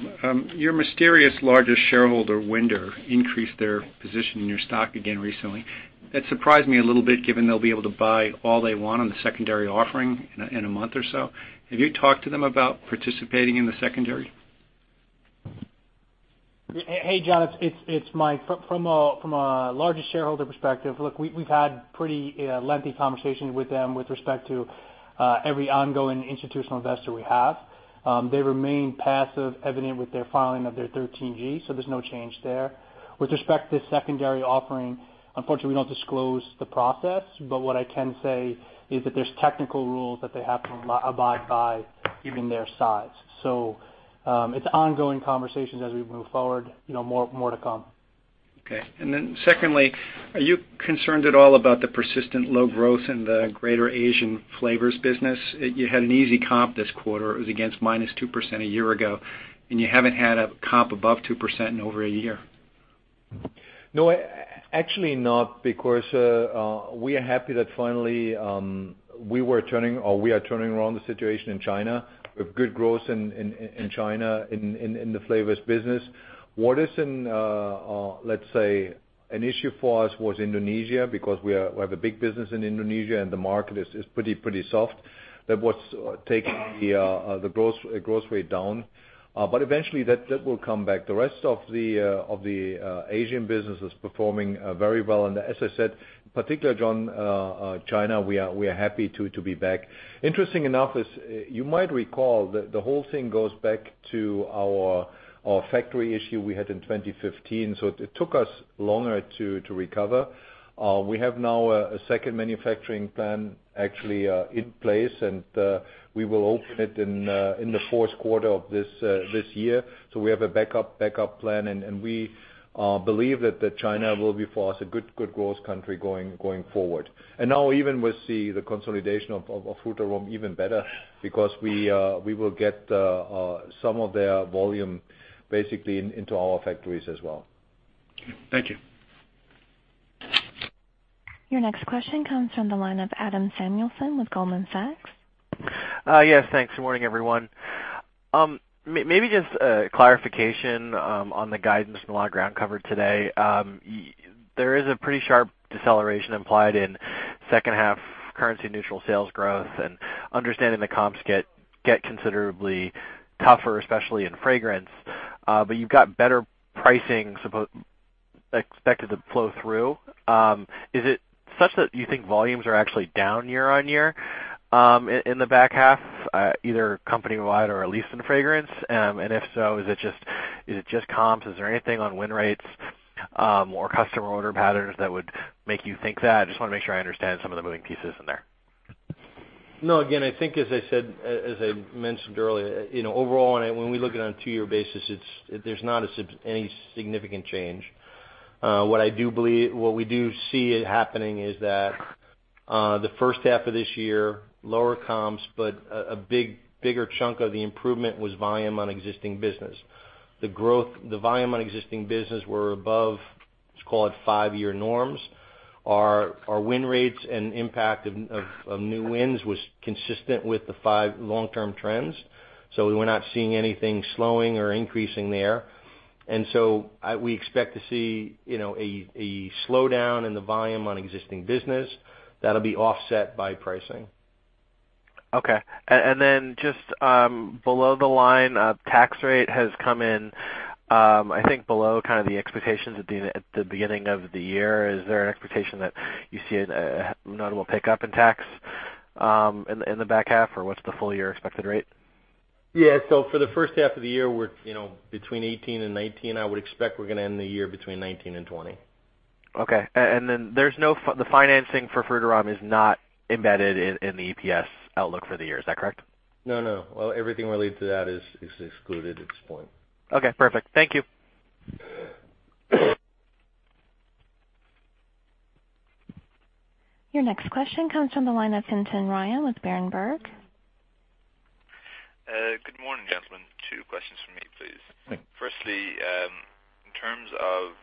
Your mysterious largest shareholder, Winder, increased their position in your stock again recently. That surprised me a little bit, given they'll be able to buy all they want on the secondary offering in a month or so. Have you talked to them about participating in the secondary? Hey, John, it's Mike. From a largest shareholder perspective, look, we've had pretty lengthy conversations with them with respect to every ongoing institutional investor we have. They remain passive, evident with their filing of their 13G, there's no change there. With respect to secondary offering, unfortunately, we don't disclose the process, but what I can say is that there's technical rules that they have to abide by, given their size. It's ongoing conversations as we move forward. More to come. Okay. Secondly, are you concerned at all about the persistent low growth in the greater Asian flavors business? You had an easy comp this quarter. It was against -2% a year ago, and you haven't had a comp above 2% in over a year. No, actually not, because we are happy that finally we are turning around the situation in China with good growth in China in the flavors business. What is in, let's say, an issue for us was Indonesia, because we have a big business in Indonesia and the market is pretty soft. That what's taking the growth rate down. Eventually that will come back. The rest of the Asian business is performing very well. As I said, particularly, John, China, we are happy to be back. Interesting enough is, you might recall that the whole thing goes back to our factory issue we had in 2015. It took us longer to recover. We have now a second manufacturing plant actually in place, and we will open it in the fourth quarter of this year. We have a backup plan, and we believe that China will be, for us, a good growth country going forward. Now even we see the consolidation of Frutarom even better because we will get some of their volume basically into our factories as well. Okay. Thank you. Your next question comes from the line of Adam Samuelson with Goldman Sachs. Yes, thanks. Morning, everyone. Maybe just a clarification on the guidance and a lot of ground covered today. There is a pretty sharp deceleration implied in second half currency neutral sales growth and understanding the comps get considerably tougher, especially in Fragrance. You've got better pricing expected to flow through. Is it such that you think volumes are actually down year-on-year in the back half, either company-wide or at least in Fragrance? Is it just comps? Is there anything on win rates or customer order patterns that would make you think that? I just want to make sure I understand some of the moving pieces in there. No, again, I think as I mentioned earlier, overall when we look at it on a two-year basis, there's not any significant change. What we do see happening is that the first half of this year, lower comps, but a bigger chunk of the improvement was volume on existing business. The volume on existing business were above, let's call it five-year norms. Our win rates and impact of new wins was consistent with the five long-term trends. We're not seeing anything slowing or increasing there. We expect to see a slowdown in the volume on existing business that'll be offset by pricing. Okay. Just below the line, tax rate has come in, I think below the expectations at the beginning of the year. Is there an expectation that you see a notable pickup in tax in the back half, or what's the full year expected rate? Yeah. For the first half of the year, we're between 18 and 19. I would expect we're going to end the year between 19 and 20. Okay. The financing for Frutarom is not embedded in the EPS outlook for the year. Is that correct? No. Well, everything related to that is excluded at this point. Okay, perfect. Thank you. Your next question comes from the line of Fintan Ryan with Berenberg. Good morning, gentlemen. Two questions from me, please. Thank you. In terms of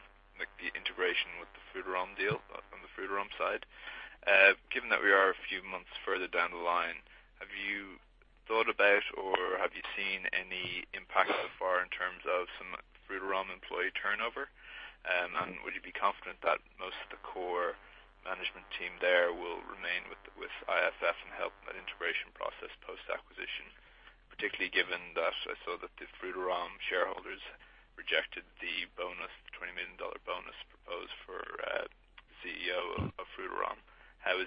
the integration with the Frutarom deal from the Frutarom side, given that we are a few months further down the line, have you thought about or have you seen any impact so far in terms of some Frutarom employee turnover? Would you be confident that most of the core management team there will remain with IFF and help that integration process post-acquisition, particularly given that I saw that the Frutarom shareholders rejected the $20 million bonus proposed for the CEO of Frutarom. How does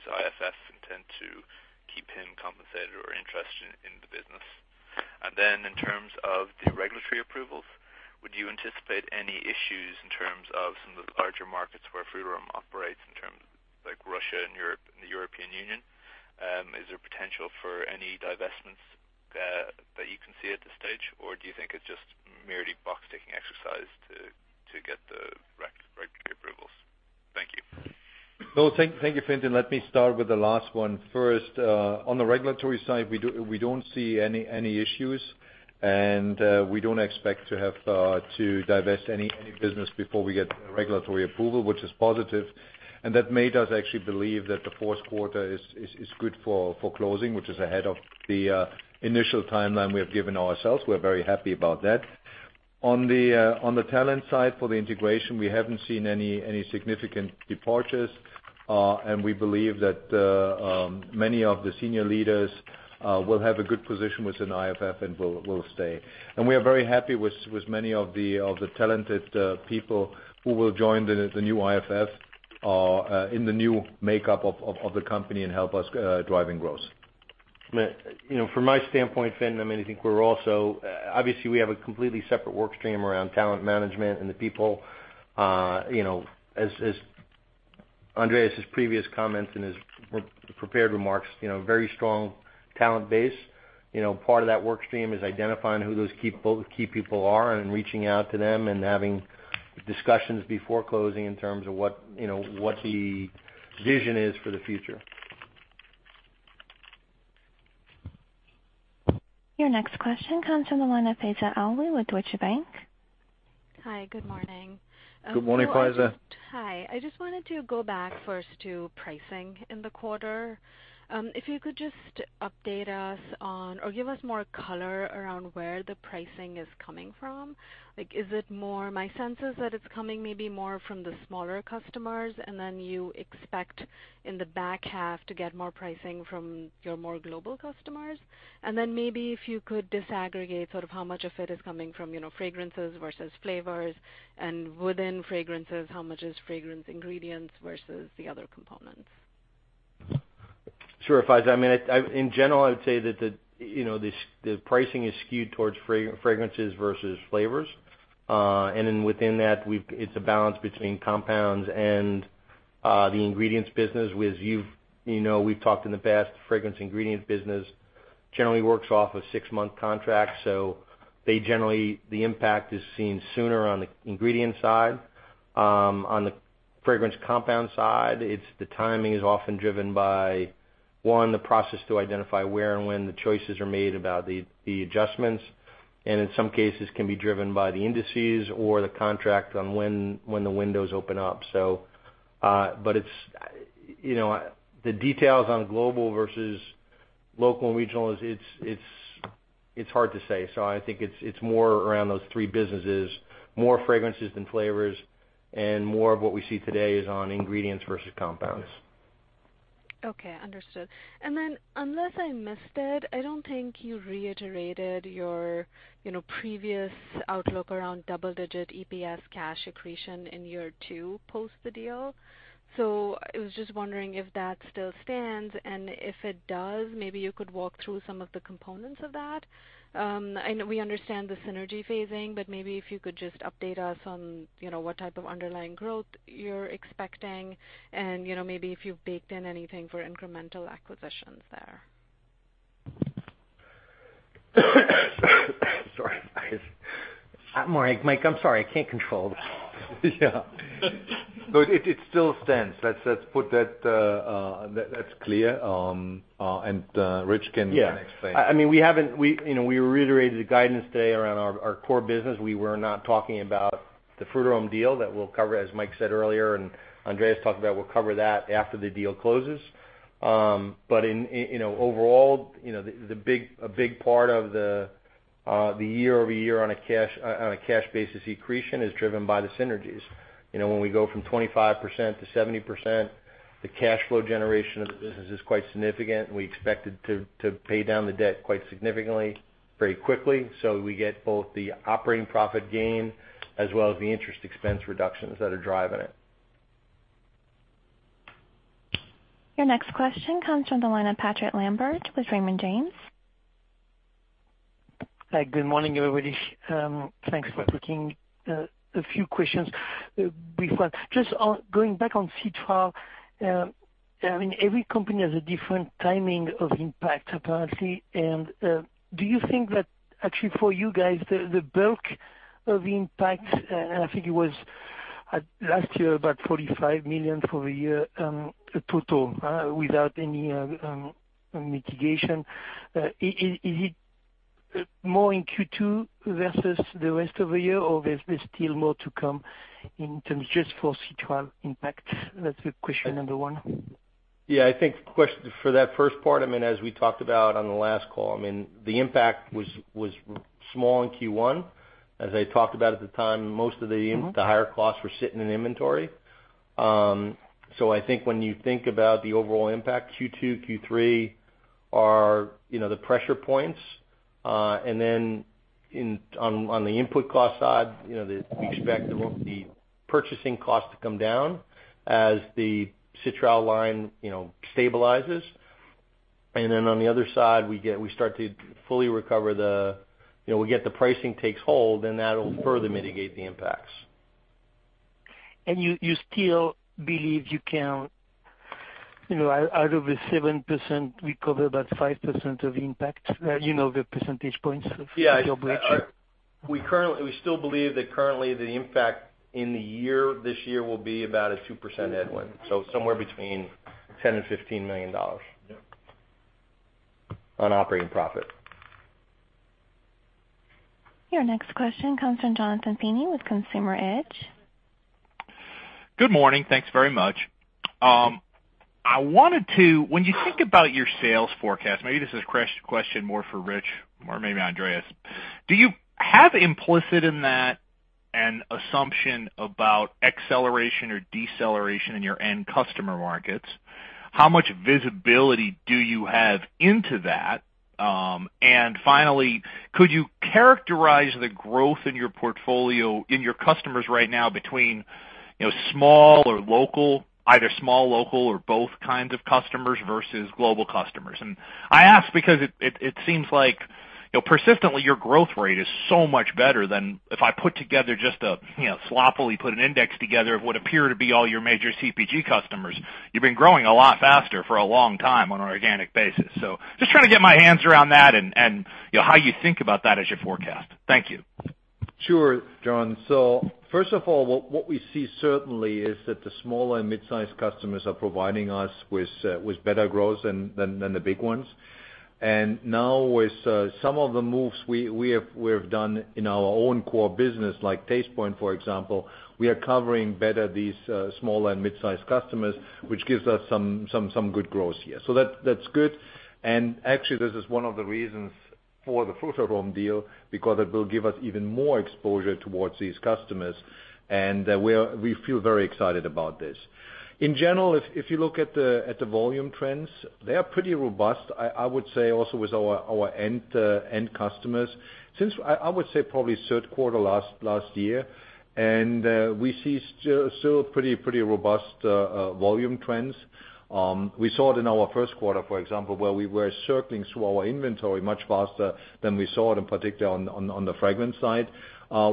IFF intend to keep him compensated or interested in the business? In terms of the regulatory approvals, would you anticipate any issues in terms of some of the larger markets where Frutarom operates, in terms like Russia and the European Union? Is there potential for any divestments that you can see at this stage, or do you think it's just merely box-ticking exercise to get the regulatory approvals? Thank you. Thank you, Fintan. Let me start with the last one first. On the regulatory side, we don't see any issues, and we don't expect to have to divest any business before we get regulatory approval, which is positive, and that made us actually believe that the fourth quarter is good for closing, which is ahead of the initial timeline we have given ourselves. We're very happy about that. On the talent side for the integration, we haven't seen any significant departures. We believe that many of the senior leaders will have a good position within IFF and will stay. We are very happy with many of the talented people who will join the new IFF in the new makeup of the company and help us driving growth. From my standpoint, Fintan, I think we're also obviously, we have a completely separate work stream around talent management and the people. As Andreas' previous comments in his prepared remarks, very strong talent base. Part of that work stream is identifying who those key people are and reaching out to them and having discussions before closing in terms of what the vision is for the future. Your next question comes from the line of Faiza Alwy with Deutsche Bank. Hi, good morning. Good morning, Faiza. Hi. I just wanted to go back first to pricing in the quarter. If you could just update us on or give us more color around where the pricing is coming from. My sense is that it's coming maybe more from the smaller customers, and then you expect in the back half to get more pricing from your more global customers. Maybe if you could disaggregate how much of it is coming from fragrances versus flavors and within fragrances, how much is fragrance ingredients versus the other components. Sure, Faiza. In general, I would say that the pricing is skewed towards fragrances versus flavors. Within that, it's a balance between compounds and the ingredients business. As you know, we've talked in the past, the fragrance ingredient business generally works off a 6-month contract, so generally, the impact is seen sooner on the ingredient side. On the fragrance compound side, the timing is often driven by, one, the process to identify where and when the choices are made about the adjustments, and in some cases can be driven by the indices or the contract on when the windows open up. The details on global versus local and regional, it's hard to say. I think it's more around those three businesses, more fragrances than flavors, and more of what we see today is on ingredients versus compounds. Okay, understood. Unless I missed it, I don't think you reiterated your previous outlook around double-digit EPS cash accretion in year two post the deal. I was just wondering if that still stands, and if it does, maybe you could walk through some of the components of that. I know we understand the synergy phasing, but maybe if you could just update us on what type of underlying growth you're expecting and maybe if you've baked in anything for incremental acquisitions there. Sorry, Faiza. Mike, I'm sorry. I can't control that. Yeah. It still stands. That's clear, and Rich can explain. Yeah. We reiterated the guidance today around our core business. We were not talking about the Frutarom deal that we'll cover, as Mike said earlier and Andreas talked about, we'll cover that after the deal closes. Overall, a big part of the year-over-year on a cash basis accretion is driven by the synergies. When we go from 25% to 70%, the cash flow generation of the business is quite significant and we expect it to pay down the debt quite significantly very quickly. We get both the operating profit gain as well as the interest expense reductions that are driving it. Your next question comes from the line of Patrick Lambert with Raymond James. Hi, good morning, everybody. Thanks for taking a few questions. Brief one. Just going back on citral. Every company has a different timing of impact, apparently. Do you think that actually for you guys, the bulk of impact, and I think it was last year, about $45 million for the year total without any mitigation. Is it more in Q2 versus the rest of the year, or there's still more to come in terms just for citral impact? That's question number 1. Yeah, I think for that first part, as we talked about on the last call, the impact was small in Q1. As I talked about at the time, most of the higher costs were sitting in inventory. I think when you think about the overall impact, Q2, Q3 are the pressure points. Then on the input cost side, we expect the purchasing cost to come down as the citral line stabilizes. Then on the other side, we get the pricing takes hold, and that'll further mitigate the impacts. You still believe you can, out of the 7%, recover about 5% of impact? You know the percentage points of your breakthrough. Yeah. We still believe that currently the impact in the year, this year, will be about a 2% headwind, so somewhere between $10 million and $15 million on operating profit. Your next question comes from Jonathan Feeney with Consumer Edge. Good morning. Thanks very much. When you think about your sales forecast, maybe this is a question more for Rich or maybe Andreas, do you have implicit in that an assumption about acceleration or deceleration in your end customer markets? How much visibility do you have into that? Finally, could you characterize the growth in your portfolio, in your customers right now between either small or local or both kinds of customers versus global customers? I ask because it seems like persistently, your growth rate is so much better than if I put together just a sloppily put an index together of what appear to be all your major CPG customers. You've been growing a lot faster for a long time on an organic basis. Just trying to get my hands around that and how you think about that as you forecast. Thank you. Sure, John Roberts. First of all, what we see certainly is that the small and mid-size customers are providing us with better growth than the big ones. Now with some of the moves we have done in our own core business, like Tastepoint, for example, we are covering better these small and mid-size customers, which gives us some good growth here. That's good. Actually, this is one of the reasons for the Frutarom deal, because it will give us even more exposure towards these customers, and we feel very excited about this. In general, if you look at the volume trends, they are pretty robust. I would say also with our end customers. Since, I would say probably third quarter last year. We see still pretty robust volume trends. We saw it in our first quarter, for example, where we were circling through our inventory much faster than we saw it, in particular on the fragrance side.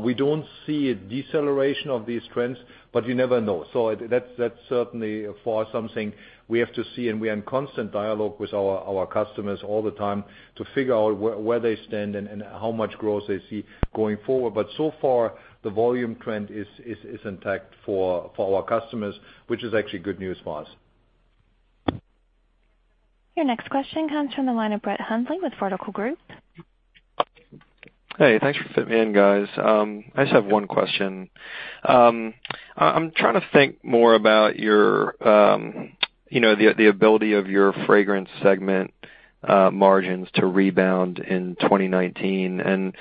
We don't see a deceleration of these trends, but you never know. That's certainly for something we have to see, and we are in constant dialogue with our customers all the time to figure out where they stand and how much growth they see going forward. So far, the volume trend is intact for our customers, which is actually good news for us. Your next question comes from the line of Brett Hundley with The Vertical Group. Hey, thanks for fitting me in, guys. I just have one question. I'm trying to think more about the ability of your fragrance segment margins to rebound in 2019.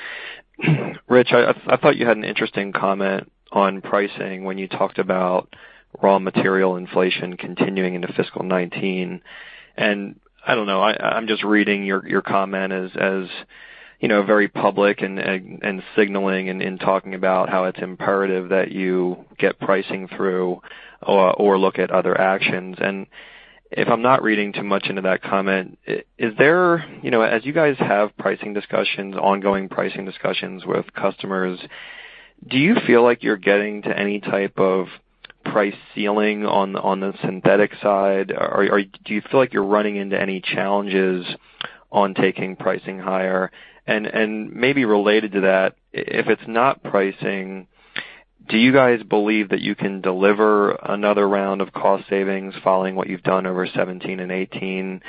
Rich, I thought you had an interesting comment on pricing when you talked about raw material inflation continuing into fiscal 2019. I don't know, I'm just reading your comment as very public and signaling and talking about how it's imperative that you get pricing through or look at other actions. If I'm not reading too much into that comment, as you guys have pricing discussions, ongoing pricing discussions with customers, do you feel like you're getting to any type of price ceiling on the synthetic side? Or do you feel like you're running into any challenges on taking pricing higher? Maybe related to that, if it's not pricing, do you guys believe that you can deliver another round of cost savings following what you've done over 2017 and 2018?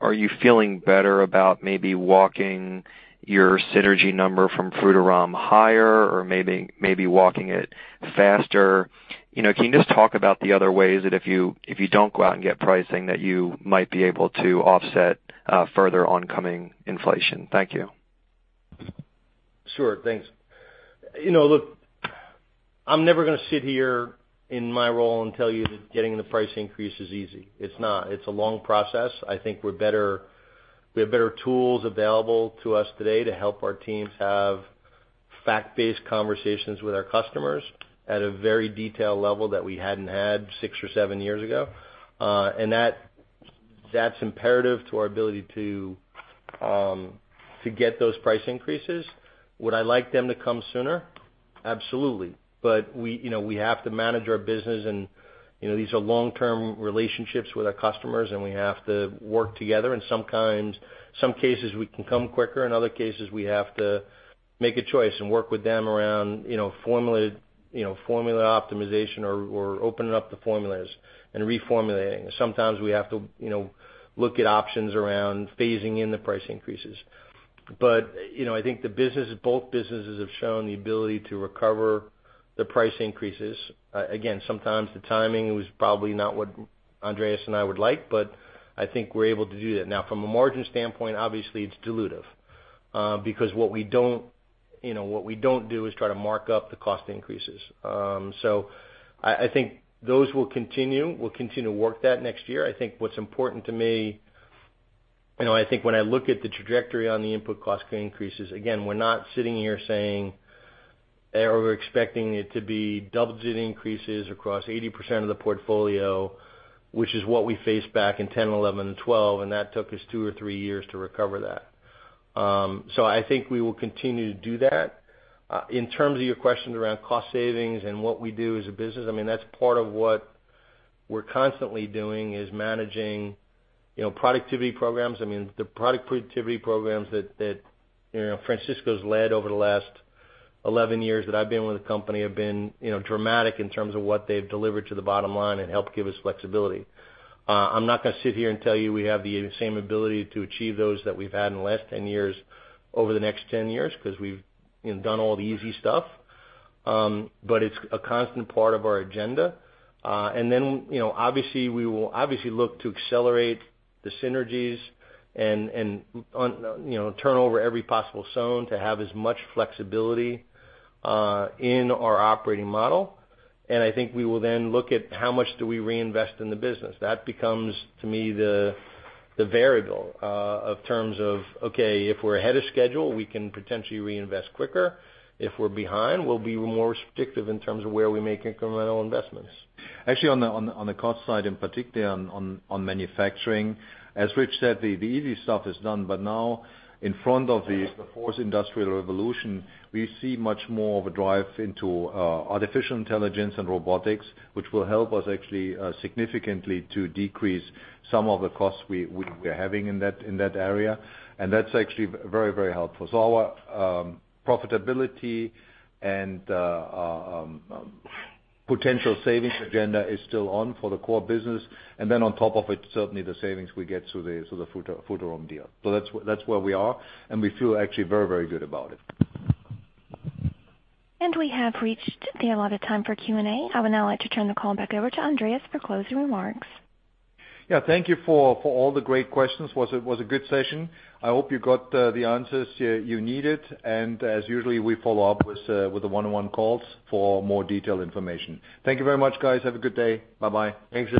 Are you feeling better about maybe walking your synergy number from Frutarom higher or maybe walking it faster? Can you just talk about the other ways that if you don't go out and get pricing, that you might be able to offset further oncoming inflation? Thank you. Sure. Thanks. Look, I'm never gonna sit here in my role and tell you that getting the price increase is easy. It's not. It's a long process. I think we have better tools available to us today to help our teams have fact-based conversations with our customers at a very detailed level that we hadn't had six or seven years ago. That's imperative to our ability to get those price increases. Would I like them to come sooner? Absolutely. We have to manage our business, and these are long-term relationships with our customers, and we have to work together. In some cases, we can come quicker. In other cases, we have to make a choice and work with them around formula optimization or opening up the formulas and reformulating. Sometimes we have to look at options around phasing in the price increases. I think both businesses have shown the ability to recover the price increases. Again, sometimes the timing was probably not what Andreas and I would like, but I think we're able to do that. Now, from a margin standpoint, obviously it's dilutive because what we don't do is try to mark up the cost increases. I think those will continue. We'll continue to work that next year. I think what's important to me, I think when I look at the trajectory on the input cost increases, again, we're not sitting here saying, or we're expecting it to be double-digit increases across 80% of the portfolio, which is what we faced back in 2010, 2011, and 2012, and that took us two or three years to recover that. I think we will continue to do that. In terms of your questions around cost savings and what we do as a business, that's part of what we're constantly doing is managing productivity programs. The product productivity programs that Francisco's led over the last 11 years that I've been with the company have been dramatic in terms of what they've delivered to the bottom line and helped give us flexibility. I'm not gonna sit here and tell you we have the same ability to achieve those that we've had in the last 10 years over the next 10 years because we've done all the easy stuff. It's a constant part of our agenda. We will obviously look to accelerate the synergies and turn over every possible stone to have as much flexibility in our operating model. I think we will then look at how much do we reinvest in the business. That becomes, to me, the variable of terms of, okay, if we're ahead of schedule, we can potentially reinvest quicker. If we're behind, we'll be more restrictive in terms of where we make incremental investments. Actually, on the cost side, particularly on manufacturing, as Rich said, the easy stuff is done. Now, in front of the fourth industrial revolution, we see much more of a drive into artificial intelligence and robotics, which will help us actually significantly to decrease some of the costs we are having in that area. That's actually very helpful. Our profitability and potential savings agenda is still on for the core business. Then on top of it, certainly the savings we get through the Frutarom deal. That's where we are, and we feel actually very good about it. We have reached the allotted time for Q&A. I would now like to turn the call back over to Andreas for closing remarks. Yeah. Thank you for all the great questions. It was a good session. I hope you got the answers you needed, and as usual, we follow up with the one-on-one calls for more detailed information. Thank you very much, guys. Have a good day. Bye-bye. Thanks.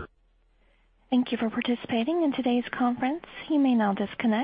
Thank you for participating in today's conference. You may now disconnect.